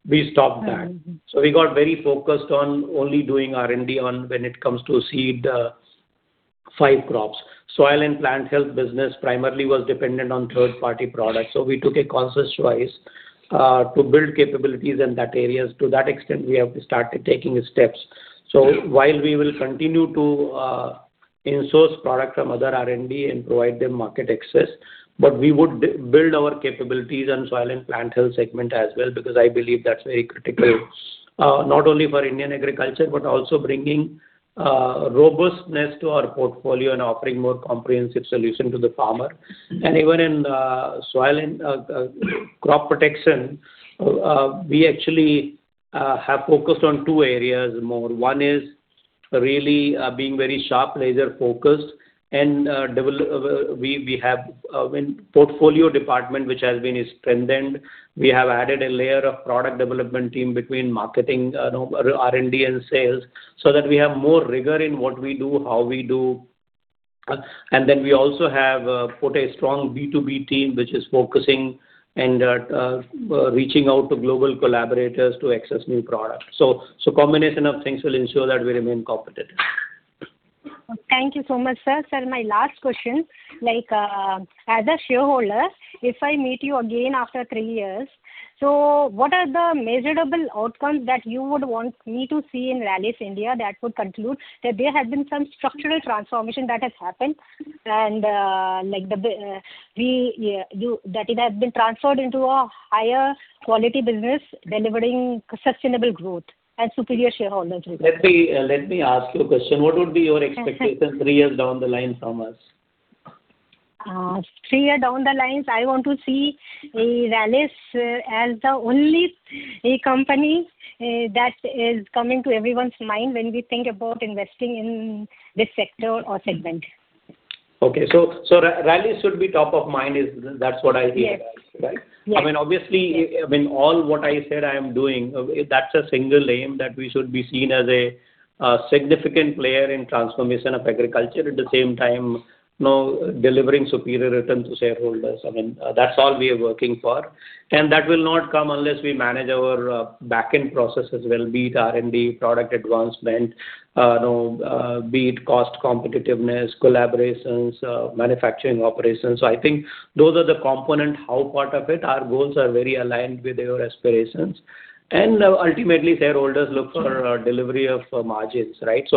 We stopped that. We got very focused on only doing R&D when it comes to seed, five crops. Soil and plant health business primarily was dependent on third-party products. We took a conscious choice to build capabilities in that areas. To that extent, we have started taking steps. While we will continue to in-source product from other R&D and provide them market access, but we would build our capabilities on soil and plant health segment as well, because I believe that's very critical, not only for Indian agriculture, but also bringing robustness to our portfolio and offering more comprehensive solution to the farmer. Even in soil and crop protection, we actually have focused on two areas more. One is really being very sharp, laser-focused, and we have a portfolio department which has been strengthened. We have added a layer of product development team between marketing, R&D, and sales, so that we have more rigor in what we do, how we do. Then we also have put a strong B2B team, which is focusing and reaching out to global collaborators to access new products. Combination of things will ensure that we remain competitive. Thank you so much, sir. Sir, my last question. As a shareholder, if I meet you again after three years, what are the measurable outcomes that you would want me to see in Rallis India that would conclude that there has been some structural transformation that has happened, and that it has been transformed into a higher quality business delivering sustainable growth and superior shareholder return? Let me ask you a question. What would be your expectation three years down the line from us? Three year down the line, I want to see Rallis as the only company that is coming to everyone's mind when we think about investing in this sector or segment. Okay. Rallis should be top of mind, that's what I hear. Yes. Obviously, all what I said I am doing, that's a single aim that we should be seen as a significant player in transformation of agriculture, at the same time, delivering superior return to shareholders. That's all we are working for. That will not come unless we manage our back-end process as well, be it R&D, product advancement, be it cost competitiveness, collaborations, manufacturing operations. I think those are the component how part of it. Our goals are very aligned with your aspirations. Ultimately, shareholders look for delivery of margins, right?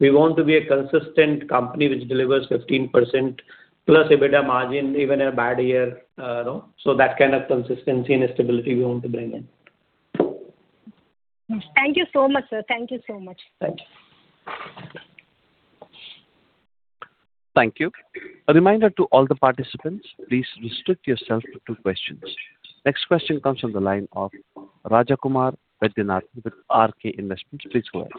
We want to be a consistent company which delivers 15%+ EBITDA margin even a bad year. That kind of consistency and stability we want to bring in. Thank you so much, sir. Thank you so much. Thank you. Thank you. A reminder to all the participants, please restrict yourself to two questions. Next question comes from the line of Rajakumar Vaidyanathan with RK Investments. Please go ahead.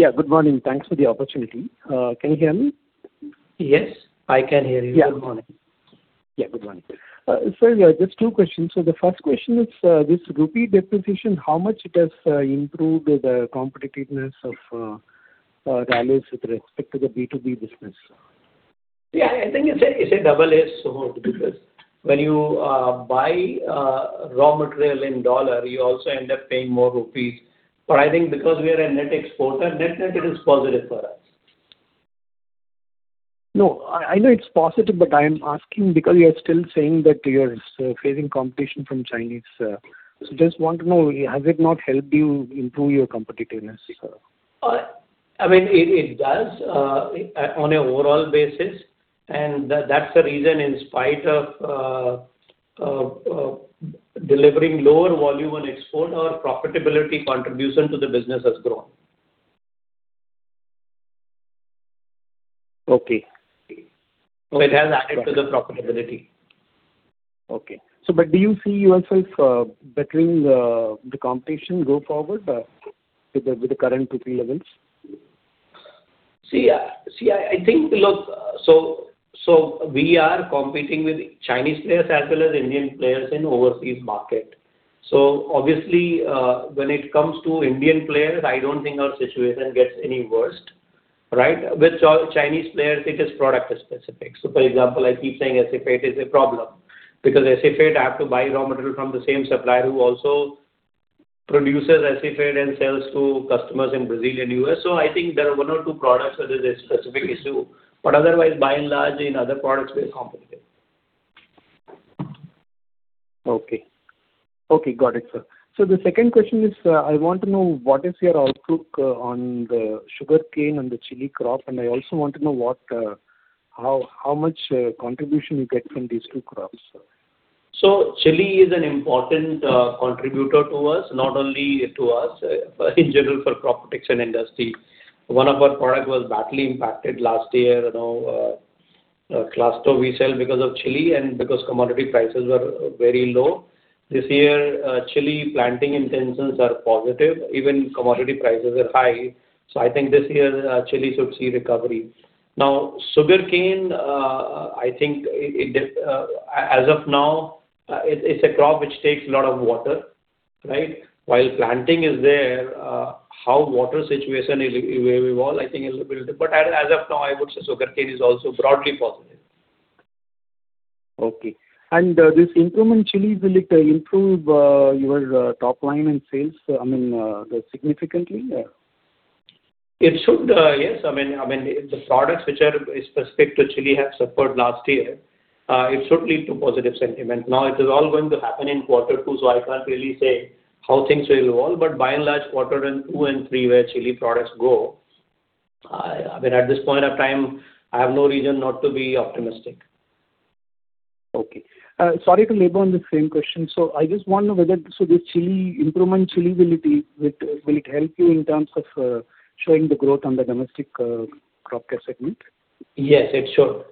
Yeah, good morning. Thanks for the opportunity. Can you hear me? Yes, I can hear you. Good morning. Yeah, good morning. Sir, just two questions. The first question is, this rupee depreciation, how much it has improved the competitiveness of Rallis with respect to the B2B business? Yeah, I think it's a double edge sword because when you buy raw material in dollar, you also end up paying more rupees. I think because we are a net exporter, net-net it is positive for us. No, I know it's positive. I am asking because you are still saying that you are facing competition from Chinese. Just want to know, has it not helped you improve your competitiveness? It does on a overall basis. That's the reason in spite of delivering lower volume on export, our profitability contribution to the business has grown. Okay. It has added to the profitability. Okay. Do you see yourself bettering the competition go forward with the current rupee levels? I think, look, we are competing with Chinese players as well as Indian players in overseas market. Obviously, when it comes to Indian players, I don't think our situation gets any worse, right? With Chinese players, it is product specific. For example, I keep saying acephate is a problem because acephate, I have to buy raw material from the same supplier who also produces acephate and sells to customers in Brazil and U.S. I think there are one or two products where there's a specific issue, but otherwise, by and large, in other products, we are competitive. Okay, got it, sir. The second question is, I want to know what is your outlook on the sugarcane and the chili crop, and I also want to know how much contribution you get from these two crops, sir. Chili is an important contributor to us. Not only to us, but in general for crop protection industry. One of our product was badly impacted last year. Last year we sell because of chili and because commodity prices were very low. This year, chili planting intentions are positive, even commodity prices are high. I think this year chili should see recovery. Sugarcane, I think as of now, it's a crop which takes a lot of water. While planting is there, how water situation will evolve, I think is a little different. As of now, I would say sugarcane is also broadly positive. Okay. This improvement in chili, will it improve your top line and sales significantly? It should, yes. The products which are specific to chili have suffered last year. It should lead to positive sentiment. It is all going to happen in quarter two, I can't really say how things will evolve, by and large, quarter two and three where chili products grow. At this point of time, I have no reason not to be optimistic. Okay. Sorry to labor on the same question. I just wonder whether the improvement in chili, will it help you in terms of showing the growth on the domestic crop care segment? Yes, it should.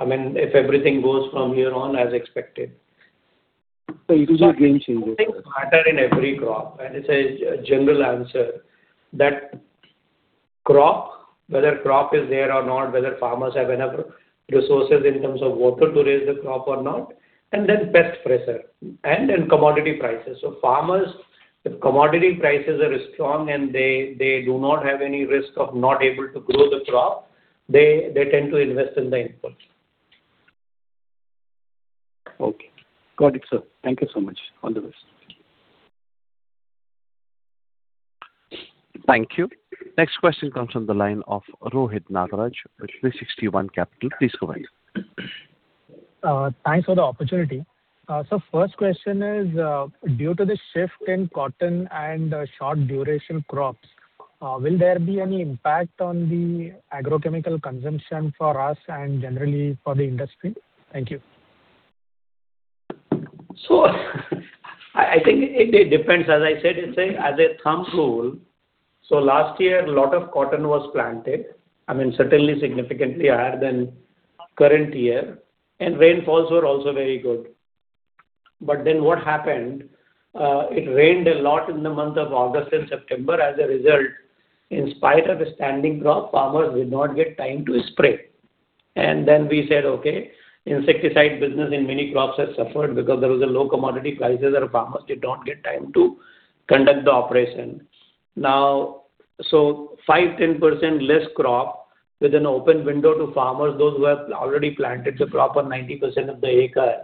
If everything goes from here on as expected. It is a game changer. Things matter in every crop, and it's a general answer, that whether crop is there or not, whether farmers have enough resources in terms of water to raise the crop or not, and then pest pressure, and then commodity prices. Farmers, if commodity prices are strong and they do not have any risk of not able to grow the crop, they tend to invest in the input. Okay. Got it, sir. Thank you so much. All the best. Thank you. Next question comes from the line of Rohit Nagaraj with 360 ONE Capital. Please go ahead. Thanks for the opportunity. First question is, due to the shift in cotton and short duration crops, will there be any impact on the agrochemical consumption for us and generally for the industry? Thank you. I think it depends. As I said, as a thumb rule, last year, lot of cotton was planted. Certainly significantly higher than current year, and rainfalls were also very good. What happened, it rained a lot in the month of August and September. As a result, in spite of the standing crop, farmers did not get time to spray. We said, okay, insecticide business in many crops has suffered because there was a low commodity prices and farmers did not get time to conduct the operation. 5%-10% less crop with an open window to farmers, those who have already planted the crop on 90% of the acre,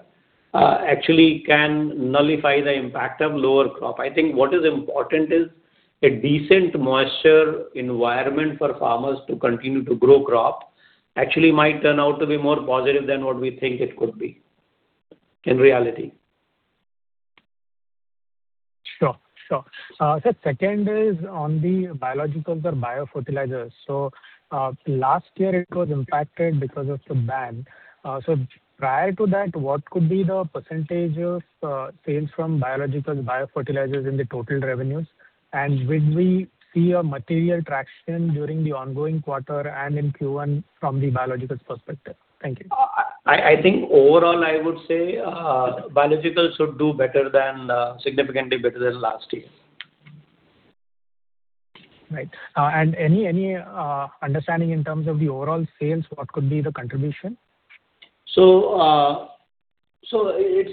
actually can nullify the impact of lower crop. I think what is important is a decent moisture environment for farmers to continue to grow crop actually might turn out to be more positive than what we think it could be in reality. Sure. Sir, second is on the biologicals or biofertilizers. Last year it was impacted because of the ban. Prior to that, what could be the percentage of sales from biological biofertilizers in the total revenues? Would we see a material traction during the ongoing quarter and in Q1 from the biologicals perspective? Thank you. I think overall, I would say biologicals should do significantly better than last year. Right. Any understanding in terms of the overall sales, what could be the contribution? It's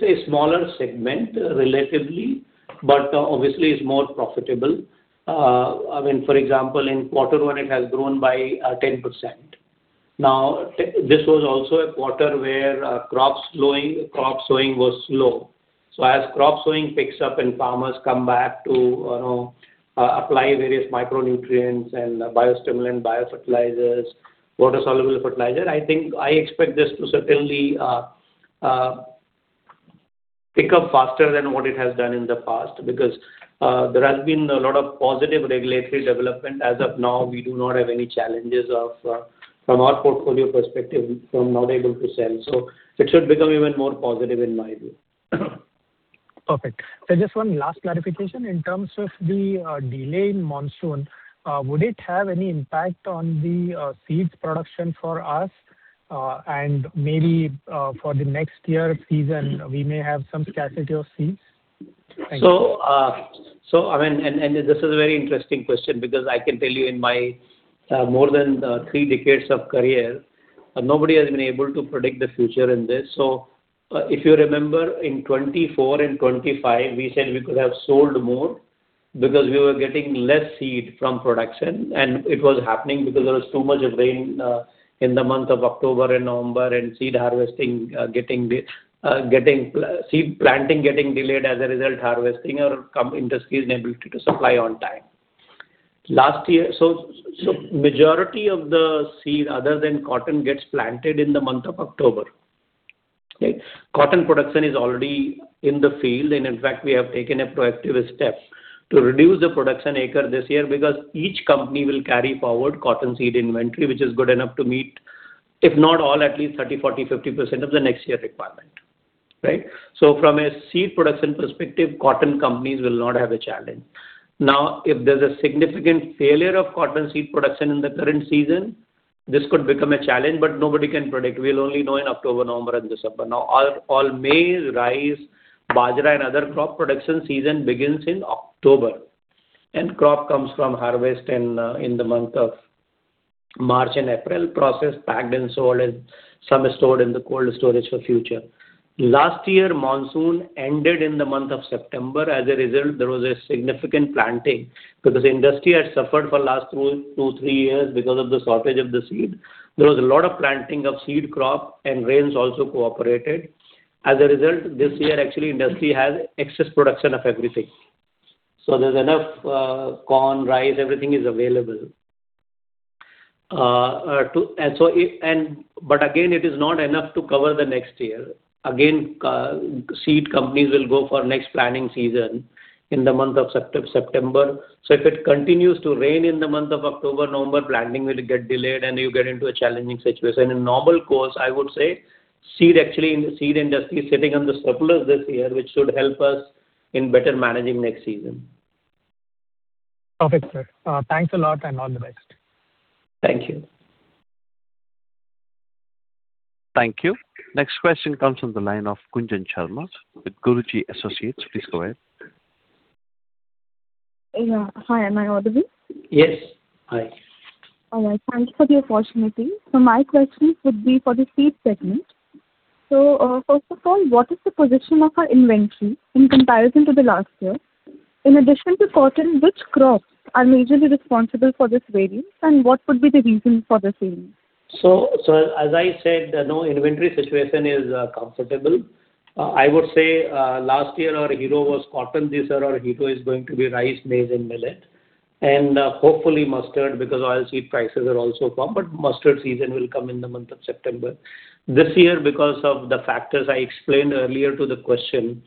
a smaller segment, relatively, obviously it's more profitable. For example, in quarter one, it has grown by 10%. This was also a quarter where crop sowing was slow. As crop sowing picks up and farmers come back to apply various micronutrients and biostimulant, biofertilizers, water-soluble fertilizer, I expect this to certainly pick up faster than what it has done in the past because there has been a lot of positive regulatory development. As of now, we do not have any challenges from our portfolio perspective from not able to sell. It should become even more positive in my view. Perfect. Sir, just one last clarification. In terms of the delay in monsoon, would it have any impact on the seeds production for us? Maybe for the next year season, we may have some scarcity of seeds? Thank you. This is a very interesting question because I can tell you in my more than three decades of career, nobody has been able to predict the future in this. If you remember, in 2024 and 2025, we said we could have sold more because we were getting less seed from production. It was happening because there was too much of rain in the month of October and November and seed planting getting delayed. As a result, harvesting or industry's inability to supply on time. Majority of the seed other than cotton gets planted in the month of October. Cotton production is already in the field, in fact, we have taken a proactive step to reduce the production acre this year because each company will carry forward cotton seed inventory, which is good enough to meet, if not all, at least 30%, 40%, 50% of the next year requirement. Right. From a seed production perspective, cotton companies will not have a challenge. If there's a significant failure of cotton seed production in the current season, this could become a challenge, but nobody can predict. We'll only know in October, November, and December. All maize, rice, bajra, and other crop production season begins in October, crop comes from harvest in the month of March and April, processed, packed, and sold, and some is stored in the cold storage for future. Last year monsoon ended in the month of September. As a result, there was a significant planting because industry had suffered for last two, three years because of the shortage of the seed. There was a lot of planting of seed crop, and rains also cooperated. As a result, this year actually industry has excess production of everything. There is enough corn, rice, everything is available. Again, it is not enough to cover the next year. Again, seed companies will go for next planning season in the month of September. If it continues to rain in the month of October, November, planting will get delayed and you get into a challenging situation. In normal course, I would say, seed actually in the seed industry is sitting on the surplus this year, which should help us in better managing next season. Perfect, sir. Thanks a lot, all the best. Thank you. Thank you. Next question comes from the line of Gunjan Sharma with Guruji Associates. Please go ahead. Yeah. Hi, am I audible? Yes. Hi. All right. Thanks for the opportunity. My question would be for the seed segment. First of all, what is the position of our inventory in comparison to the last year? In addition to cotton, which crops are majorly responsible for this variance, and what would be the reason for the same? As I said, inventory situation is comfortable. I would say last year our hero was cotton. This year our hero is going to be rice, maize, and millet, and hopefully mustard because oil seed prices are also up, but mustard season will come in the month of September. This year, because of the factors I explained earlier to the question,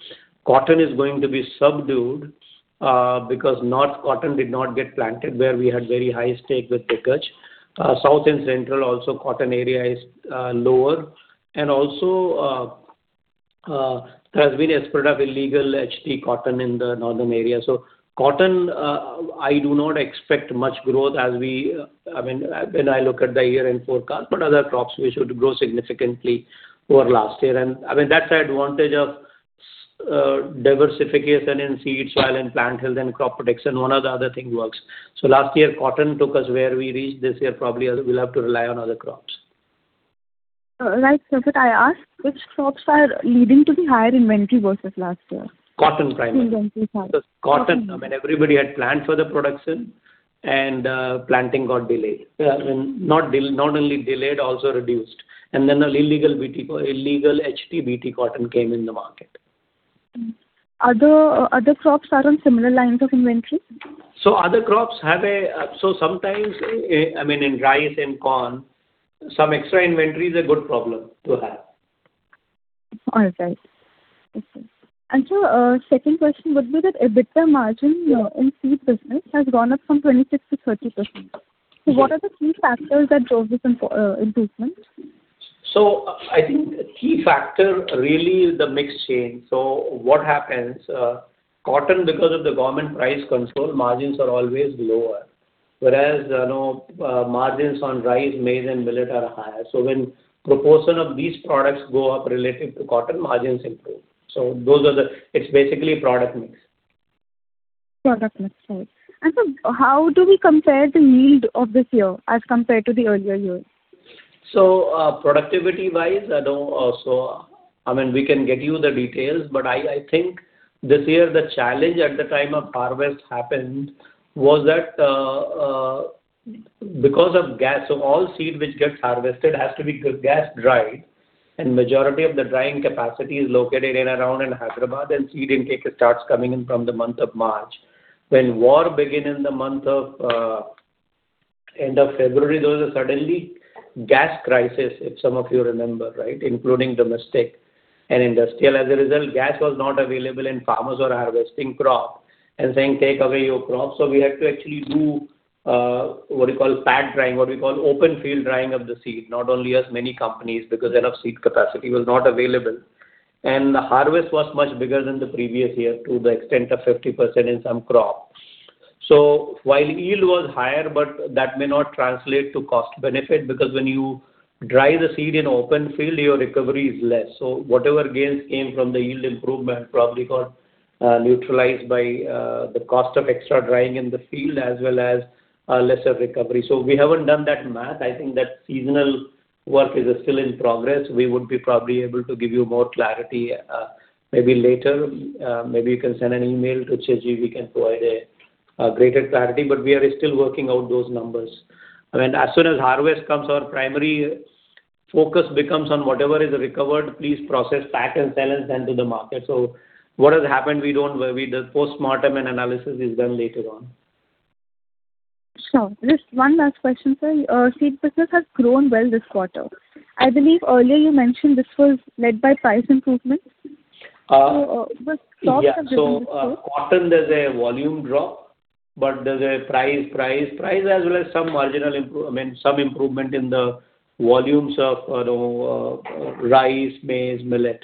cotton is going to be subdued, because north cotton did not get planted where we had very high stake with Diggaz. South and central also, cotton area is lower. Also, there has been a spurt of illegal HT cotton in the northern area. Cotton, I do not expect much growth when I look at the year-end forecast. Other crops we should grow significantly over last year. That's the advantage of diversification in seeds, soil, and plant health, and crop protection. One or the other thing works. Last year cotton took us where we reached. This year probably we'll have to rely on other crops. Right. Could I ask which crops are leading to the higher inventory versus last year? Cotton primarily. Inventory cotton. Cotton, everybody had planned for the production, and planting got delayed. Not only delayed, also reduced. Then the illegal HTBt cotton came in the market. Other crops are on similar lines of inventory? Sometimes, in rice and corn, some extra inventory is a good problem to have. All right. Okay. Sir, second question would be that EBITDA margin in seed business has gone up from 26%-30%. What are the key factors that drove this improvement? I think key factor really is the mix change. What happens, cotton, because of the government price control, margins are always lower. Whereas margins on rice, maize, and millet are higher. When proportion of these products go up relative to cotton, margins improve. It's basically product mix. Product mix. Right. Sir, how do we compare the yield of this year as compared to the earlier years? Productivity wise, we can get you the details, but I think this year the challenge at the time of harvest happened was that because of gas, so all seed which gets harvested has to be gas dried, and majority of the drying capacity is located in and around in Hyderabad, and seed intake starts coming in from the month of March. When war begin in the month of end of February, there was a suddenly gas crisis, if some of you remember, right, including domestic and industrial. As a result, gas was not available and farmers were harvesting crop and saying, "Take away your crop." We had to actually do what we call pad drying, what we call open field drying of the seed, not only us, many companies, because enough seed capacity was not available. The harvest was much bigger than the previous year to the extent of 50% in some crops. While yield was higher, but that may not translate to cost benefit because when you dry the seed in open field, your recovery is less. Whatever gains came from the yield improvement probably got neutralized by the cost of extra drying in the field as well as lesser recovery. We haven't done that math. I think that seasonal work is still in progress. We would be probably able to give you more clarity maybe later. Maybe you can send an email to Chirjeev. We can provide a greater clarity, but we are still working out those numbers. As soon as harvest comes, our primary focus becomes on whatever is recovered, please process, pack, and sell, and send to the market. What has happened, we don't worry. The postmortem and analysis is done later on. Sure. Just one last question, sir. Seed business has grown well this quarter. I believe earlier you mentioned this was led by price improvement. Which crops have driven this growth? Yeah. Cotton, there's a volume drop. There's a price as well as some marginal improvement, some improvement in the volumes of rice, maize, millet.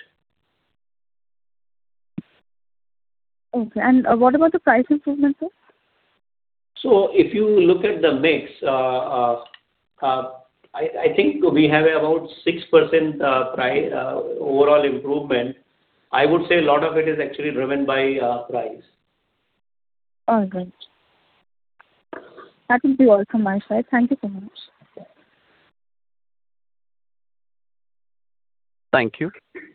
Okay. What about the price improvement, sir? If you look at the mix, I think we have about 6% overall improvement. I would say a lot of it is actually driven by price. All good. That will be all from my side. Thank you so much. Thank you.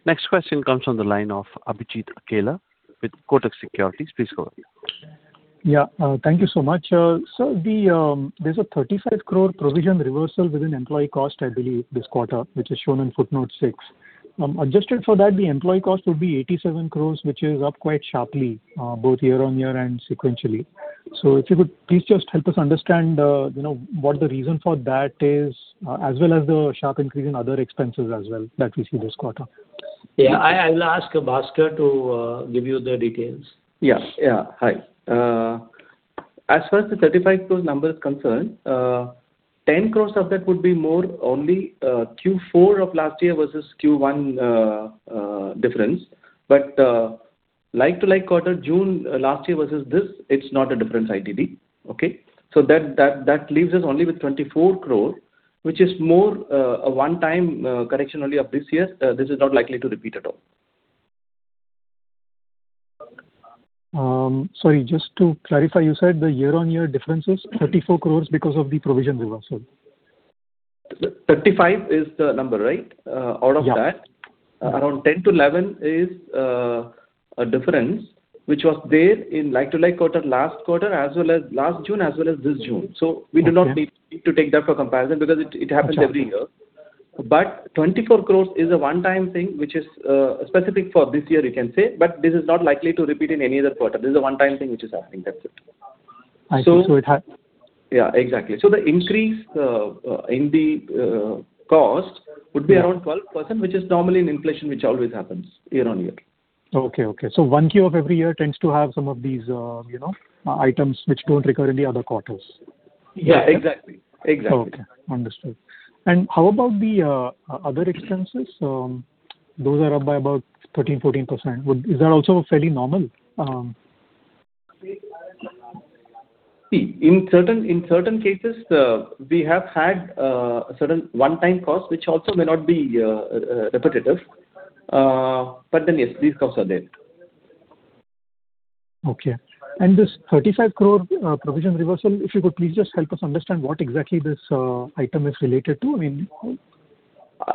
Next question comes on the line of Abhijit Akella with Kotak Securities. Please go ahead. Thank you so much. Sir, there's a 35 crore provision reversal within employee cost, I believe, this quarter, which is shown in footnote six. Adjusted for that, the employee cost would be 87 crore, which is up quite sharply both year-on-year and sequentially. If you could please just help us understand what the reason for that is, as well as the sharp increase in other expenses as well that we see this quarter. Yeah. I'll ask Bhaskar to give you the details. Yeah. Hi. As far as the 35 crore number is concerned, 10 crore of that would be more only Q4 of last year versus Q1, difference. Like to like quarter June last year versus this, it's not a difference ITD. Okay? That leaves us only with 24 crore, which is more a one-time correction only of this year. This is not likely to repeat at all. Sorry, just to clarify, you said the year-on-year difference is 34 crore because of the provision reversal. 35 crore is the number, right? Yeah. Around 10 crore-11 crore is a difference, which was there in like-to-like quarter last quarter as well as last June as well as this June. We do not need to take that for comparison because it happens every year. 24 crore is a one-time thing, which is specific for this year, you can say, this is not likely to repeat in any other quarter. This is a one-time thing which is happening. That's it. I see. Yeah, exactly. The increase in the cost would be around 12%, which is normally an inflation which always happens year-on-year. Okay. 1Q of every year tends to have some of these items which don't recur in the other quarters. Yeah, exactly. Okay. Understood. How about the other expenses? Those are up by about 13%-14%. Is that also fairly normal? See, in certain cases, we have had a certain one-time cost, which also may not be repetitive. Yes, these costs are there. Okay. This 35 crore provision reversal, if you could please just help us understand what exactly this item is related to.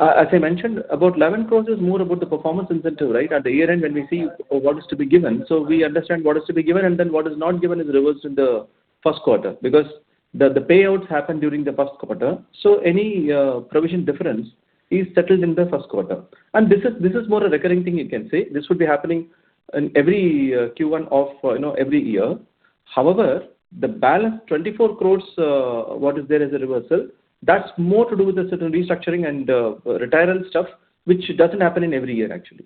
As I mentioned, about 11 crore is more about the performance incentive at the year end when we see what is to be given. We understand what is to be given, and then what is not given is reversed in the first quarter because the payouts happen during the first quarter. Any provision difference is settled in the first quarter. This is more a recurring thing you can say. This would be happening in every Q1 of every year. However, the balance 24 crore, what is there as a reversal, that's more to do with the certain restructuring and retirement stuff, which doesn't happen in every year actually.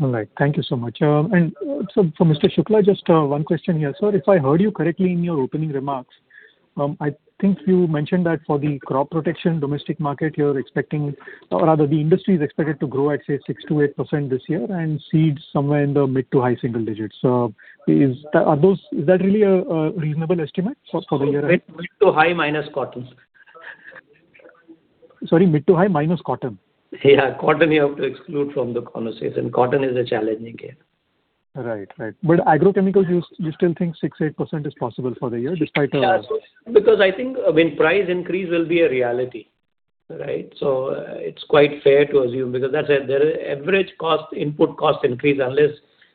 All right. Thank you so much. For Mr. Shukla, just one question here. Sir, if I heard you correctly in your opening remarks, I think you mentioned that for the crop protection domestic market, you're expecting, or rather the industry is expected to grow at, say, 6%-8% this year and seeds somewhere in the mid to high single digits. Is that really a reasonable estimate for the year ahead? Mid to high minus cotton. Sorry, mid to high minus cotton? Yeah. Cotton we have to exclude from the conversation. Cotton is a challenging case. Right. agrochemicals, you still think 6%-8% is possible for the year? Yeah. I think price increase will be a reality. It's quite fair to assume because their average input cost increase unless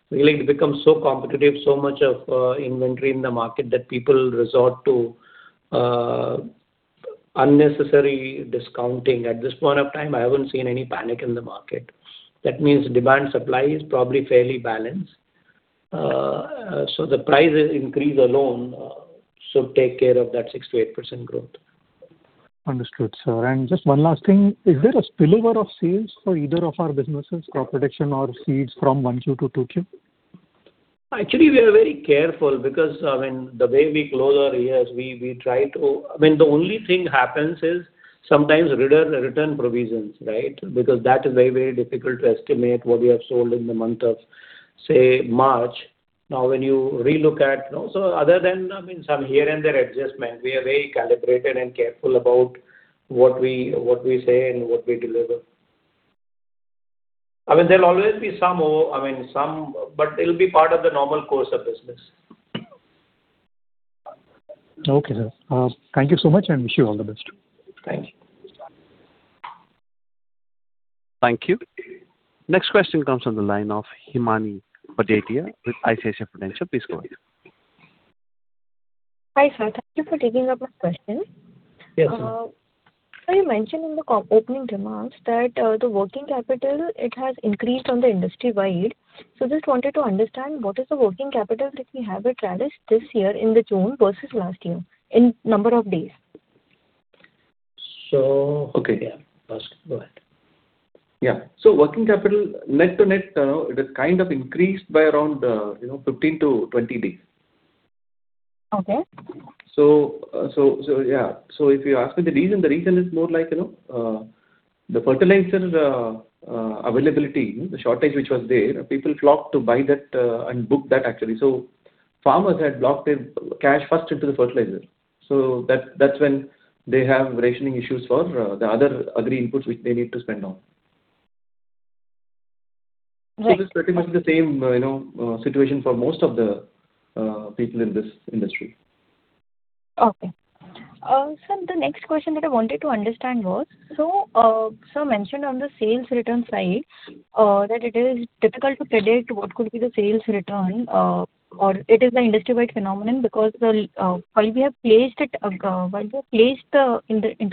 really it becomes so competitive, so much of inventory in the market that people resort to unnecessary discounting. At this point of time, I haven't seen any panic in the market. That means demand supply is probably fairly balanced. The prices increase alone should take care of that 6%-8% growth. Understood, sir. Just one last thing, is there a spillover of sales for either of our businesses, crop protection or seeds from 1Q to 2Q? We are very careful because the way we close our years, the only thing happens is sometimes return provisions. That is very, very difficult to estimate what we have sold in the month of, say, March. When you relook at other than some here and there adjustment, we are very calibrated and careful about what we say and what we deliver. There'll always be some, but it'll be part of the normal course of business. Okay, sir. Thank you so much, and wish you all the best. Thank you. Thank you. Next question comes on the line of Himani Badetia with ICICI Prudential. Please go ahead. Hi, sir. Thank you for taking up my question. Yes, ma'am. Sir, you mentioned in the opening remarks that the working capital, it has increased on the industry wide. Just wanted to understand what is the working capital that we have at Rallis this year in the June versus last year in number of days? Okay. Bhaskar, go ahead. Working capital net to net, it has kind of increased by around 15-20 days. Okay. If you ask me the reason, the reason is more like the fertilizer availability, the shortage which was there, people flocked to buy that and book that, actually. Farmers had locked their cash first into the fertilizer. That's when they have rationing issues for the other agri inputs which they need to spend on. This is pretty much the same situation for most of the people in this industry. Okay. Sir, the next question that I wanted to understand was, sir mentioned on the sales return side that it is difficult to predict what could be the sales return, or it is the industry-wide phenomenon because while we have placed into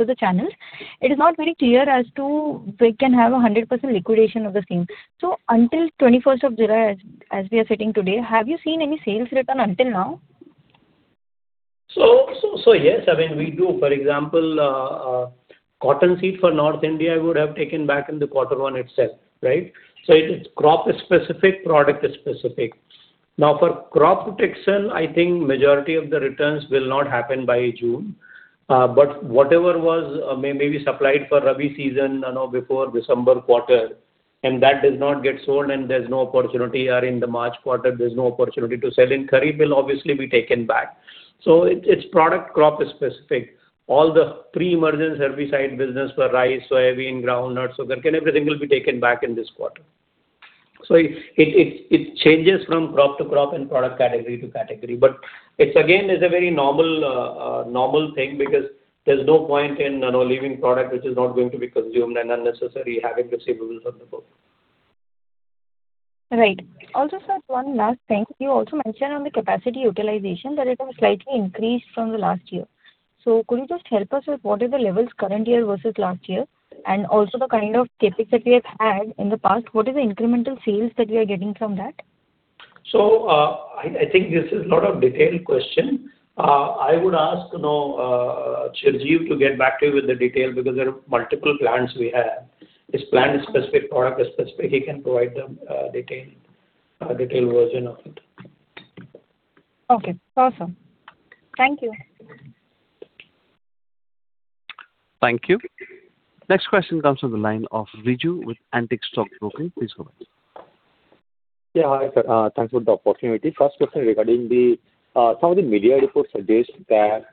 the channels, it is not very clear as to we can have 100% liquidation of the same. Until 21st of July, as we are sitting today, have you seen any sales return until now? Yes, we do. For example, cotton seed for North India would have taken back in the quarter one itself. Right. It is crop-specific, product-specific. Now for crop protection, I think majority of the returns will not happen by June. Whatever was maybe supplied for Rabi season before December quarter, and that does not get sold and there's no opportunity, or in the March quarter, there's no opportunity to sell in Kharif, will obviously be taken back. It's product crop-specific. All the pre-emergence herbicide business for rice, soybean, groundnuts, everything will be taken back in this quarter. It changes from crop to crop and product category to category. It's again, is a very normal thing because there's no point in leaving product which is not going to be consumed and unnecessary having receivables on the book. Right. Also, sir, one last thing. You also mentioned on the capacity utilization that it has slightly increased from the last year. Could you just help us with what is the levels current year versus last year, and also the kind of CapEx that we have had in the past, what is the incremental sales that we are getting from that? I think this is lot of detailed question. I would ask Chirjeev to get back to you with the detail because there are multiple plants we have. It's plant-specific, product-specific. He can provide the detailed version of it. Okay, awesome. Thank you. Thank you. Next question comes from the line of Riju with Antique Stock Broking. Please go ahead. Yeah, hi, sir. Thanks for the opportunity. First question regarding the some of the media reports suggest that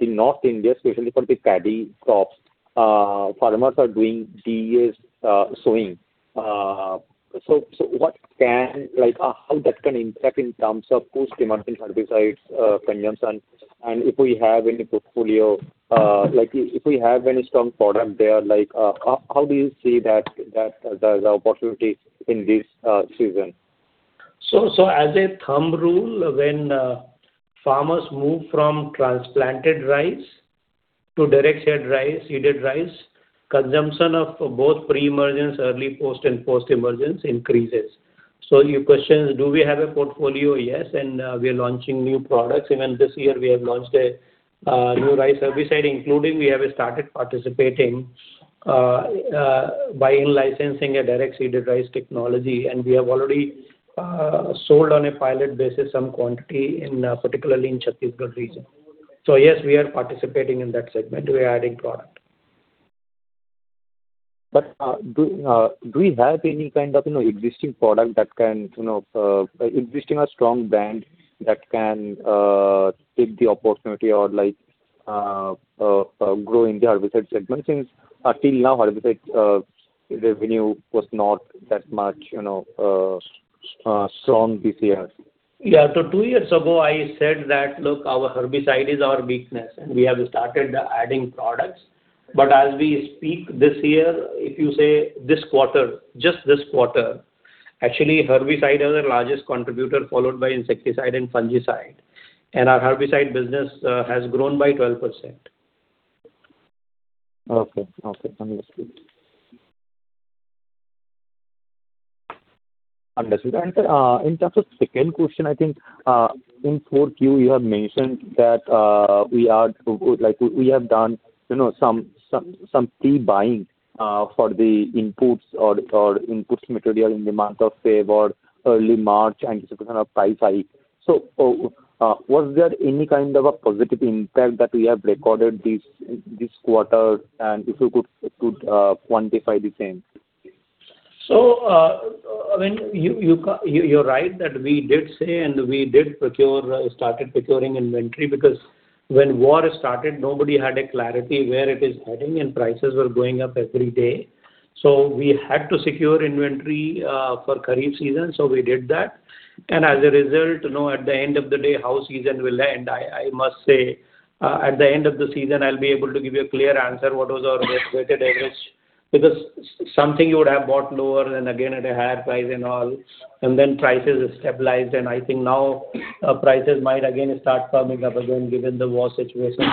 in North India, especially for the paddy crops, farmers are doing DSR sowing. How that can impact in terms of post-emergent herbicides consumption and if we have any portfolio. If we have any strong product there, how do you see the opportunity in this season? As a thumb rule, when farmers move from transplanted rice to direct seeded rice, consumption of both pre-emergence, early post, and post-emergence increases. Your question is, do we have a portfolio? Yes, and we are launching new products. Even this year we have launched a new rice herbicide, including we have started participating by licensing a direct seeded rice technology, and we have already sold on a pilot basis some quantity particularly in Chhattisgarh region. Yes, we are participating in that segment. We are adding product. Do we have any kind of existing product existing or strong brand that can take the opportunity or grow in the herbicide segment, since until now, herbicide revenue was not that much strong this year. Two years ago I said that, look, our herbicide is our weakness, we have started adding products. As we speak this year, if you say this quarter, just this quarter, actually, herbicide is our largest contributor, followed by insecticide and fungicide. Our herbicide business has grown by 12%. Okay. Understood. Sir, in terms of second question, I think in 4Q you have mentioned that we have done some pre-buying for the inputs or inputs material in the month of February, early March in anticipation of price hike. Was there any kind of a positive impact that we have recorded this quarter? If you could quantify the same, please. You're right that we did say we started procuring inventory because when war started, nobody had a clarity where it is heading, prices were going up every day. We had to secure inventory for Kharif season. We did that. As a result, at the end of the day, how season will end, I must say, at the end of the season, I'll be able to give you a clear answer what was our weighted average. Because something you would have bought lower and again at a higher price and all, then prices have stabilized, I think now prices might again start coming up again given the war situation.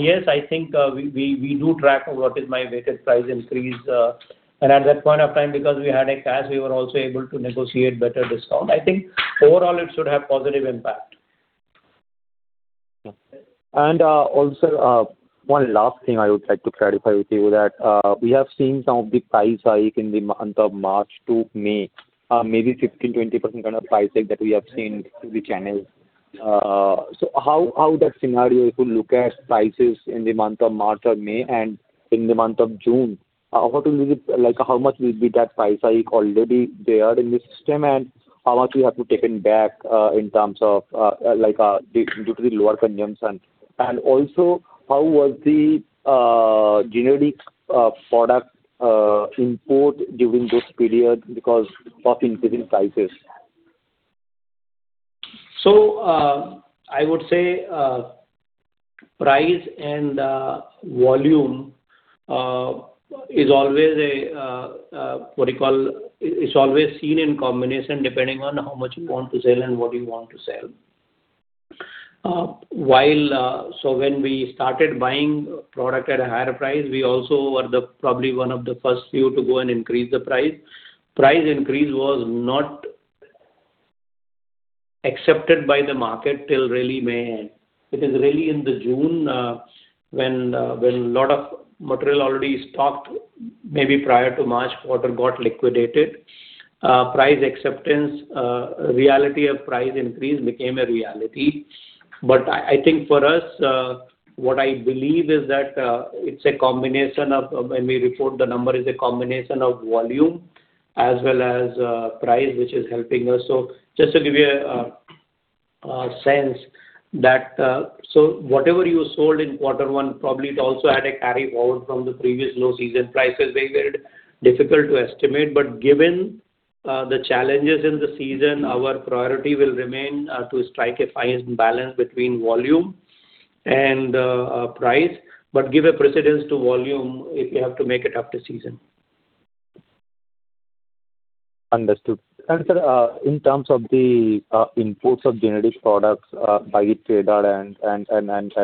Yes, I think we do track what is my weighted price increase. At that point of time, because we had cash, we were also able to negotiate better discount. I think overall, it should have positive impact. One last thing I would like to clarify with you that we have seen some of the price hike in the month of March to May, maybe 15%-20% kind of price hike that we have seen through the channels. How that scenario, if you look at prices in the month of March or May and in the month of June, how much will be that price hike already there in the system? How much you have to take it back in terms of due to the lower consumption. How was the generic product import during this period because of increasing prices? I would say price and volume is always seen in combination depending on how much you want to sell and what you want to sell. When we started buying product at a higher price, we also were probably one of the first few to go and increase the price. Price increase was not accepted by the market till really May. It is really in the June, when lot of material already stocked, maybe prior to March quarter, got liquidated. Reality of price increase became a reality. I think for us, what I believe is that when we report the number, is a combination of volume as well as price, which is helping us. Whatever you sold in quarter one, probably it also had a carry-over from the previous low season prices, making it difficult to estimate. Given the challenges in the season, our priority will remain to strike a fine balance between volume and price, give a precedence to volume if we have to make it up this season. Understood. Sir, in terms of the imports of generic products by trader and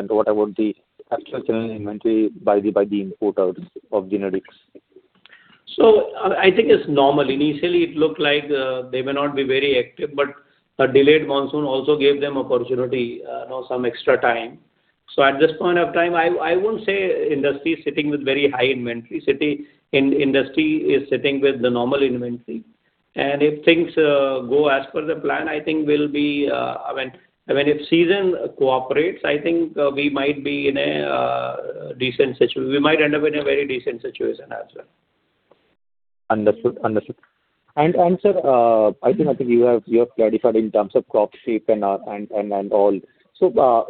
what about the actual channel inventory by the import of generics? I think it's normal. Initially, it looked like they may not be very active, but a delayed monsoon also gave them opportunity, some extra time. At this point of time, I wouldn't say industry is sitting with very high inventory. Industry is sitting with the normal inventory, and if things go as per the plan, I think if season cooperates, I think we might end up in a very decent situation as well. Understood. Sir, I think you have clarified in terms of crop shape and all. If I look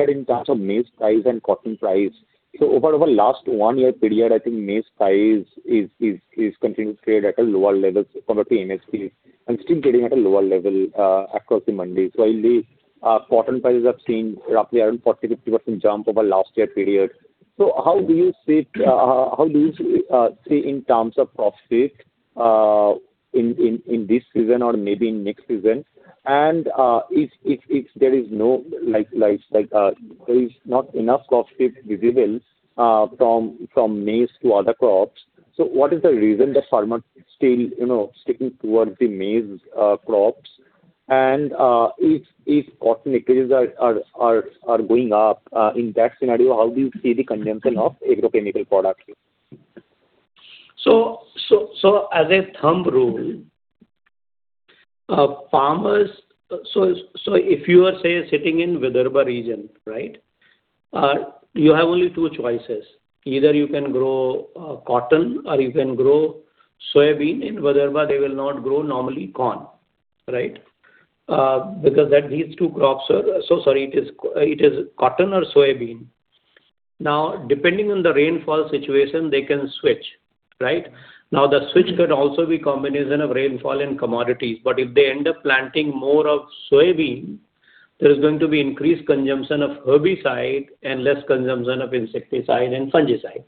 at in terms of maize price and cotton price, over our last one-year period, I think maize price is continuing to trade at a lower level from the MSP and still trading at a lower level across the mandate, while the cotton prices have seen roughly around 40%-50% jump over last year period. How do you see in terms of crop shape in this season or maybe in next season? If there is not enough crop shape visible from maize to other crops, what is the reason that farmer still sticking towards the maize crops? If cotton acreages are going up, in that scenario, how do you see the consumption of agrochemical products? As a thumb rule, if you are, say, sitting in Vidarbha region, you have only two choices. Either you can grow cotton or you can grow soybean. In Vidarbha, they will not grow normally corn. Because these two crops are sorry, it is cotton or soybean. Depending on the rainfall situation, they can switch. The switch could also be combination of rainfall and commodities. If they end up planting more of soybean, there is going to be increased consumption of herbicide and less consumption of insecticide and fungicide.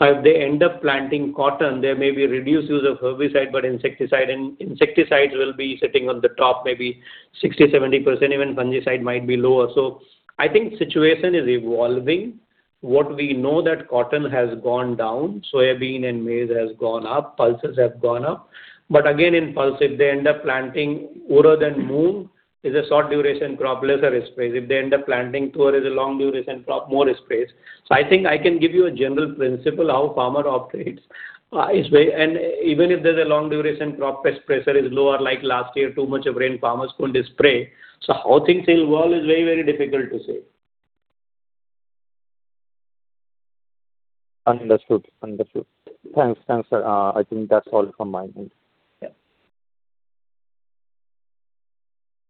If they end up planting cotton, there may be reduced use of herbicide, but insecticide and insecticides will be sitting on the top, maybe 60%-70%, even fungicide might be lower. I think situation is evolving. What we know that cotton has gone down, soybean and maize has gone up, pulses have gone up. Again, in pulse, if they end up planting urad and moong, is a short-duration crop, lesser risk space. If they end up planting tur, is a long-duration crop, more risk space. I think I can give you a general principle how farmer operates. Even if there's a long-duration crop, pest pressure is lower, like last year, too much of rain, farmers couldn't spray. How things will roll is very, very difficult to say. Understood. Thanks, sir. I think that's all from my end.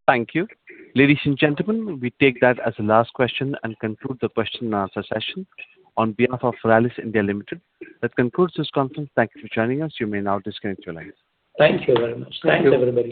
Thank you. Ladies and gentlemen, we take that as the last question and conclude the question and answer session on behalf of Rallis India Limited. That concludes this conference. Thank you for joining us. You may now disconnect your lines. Thank you very much. Thanks, everybody.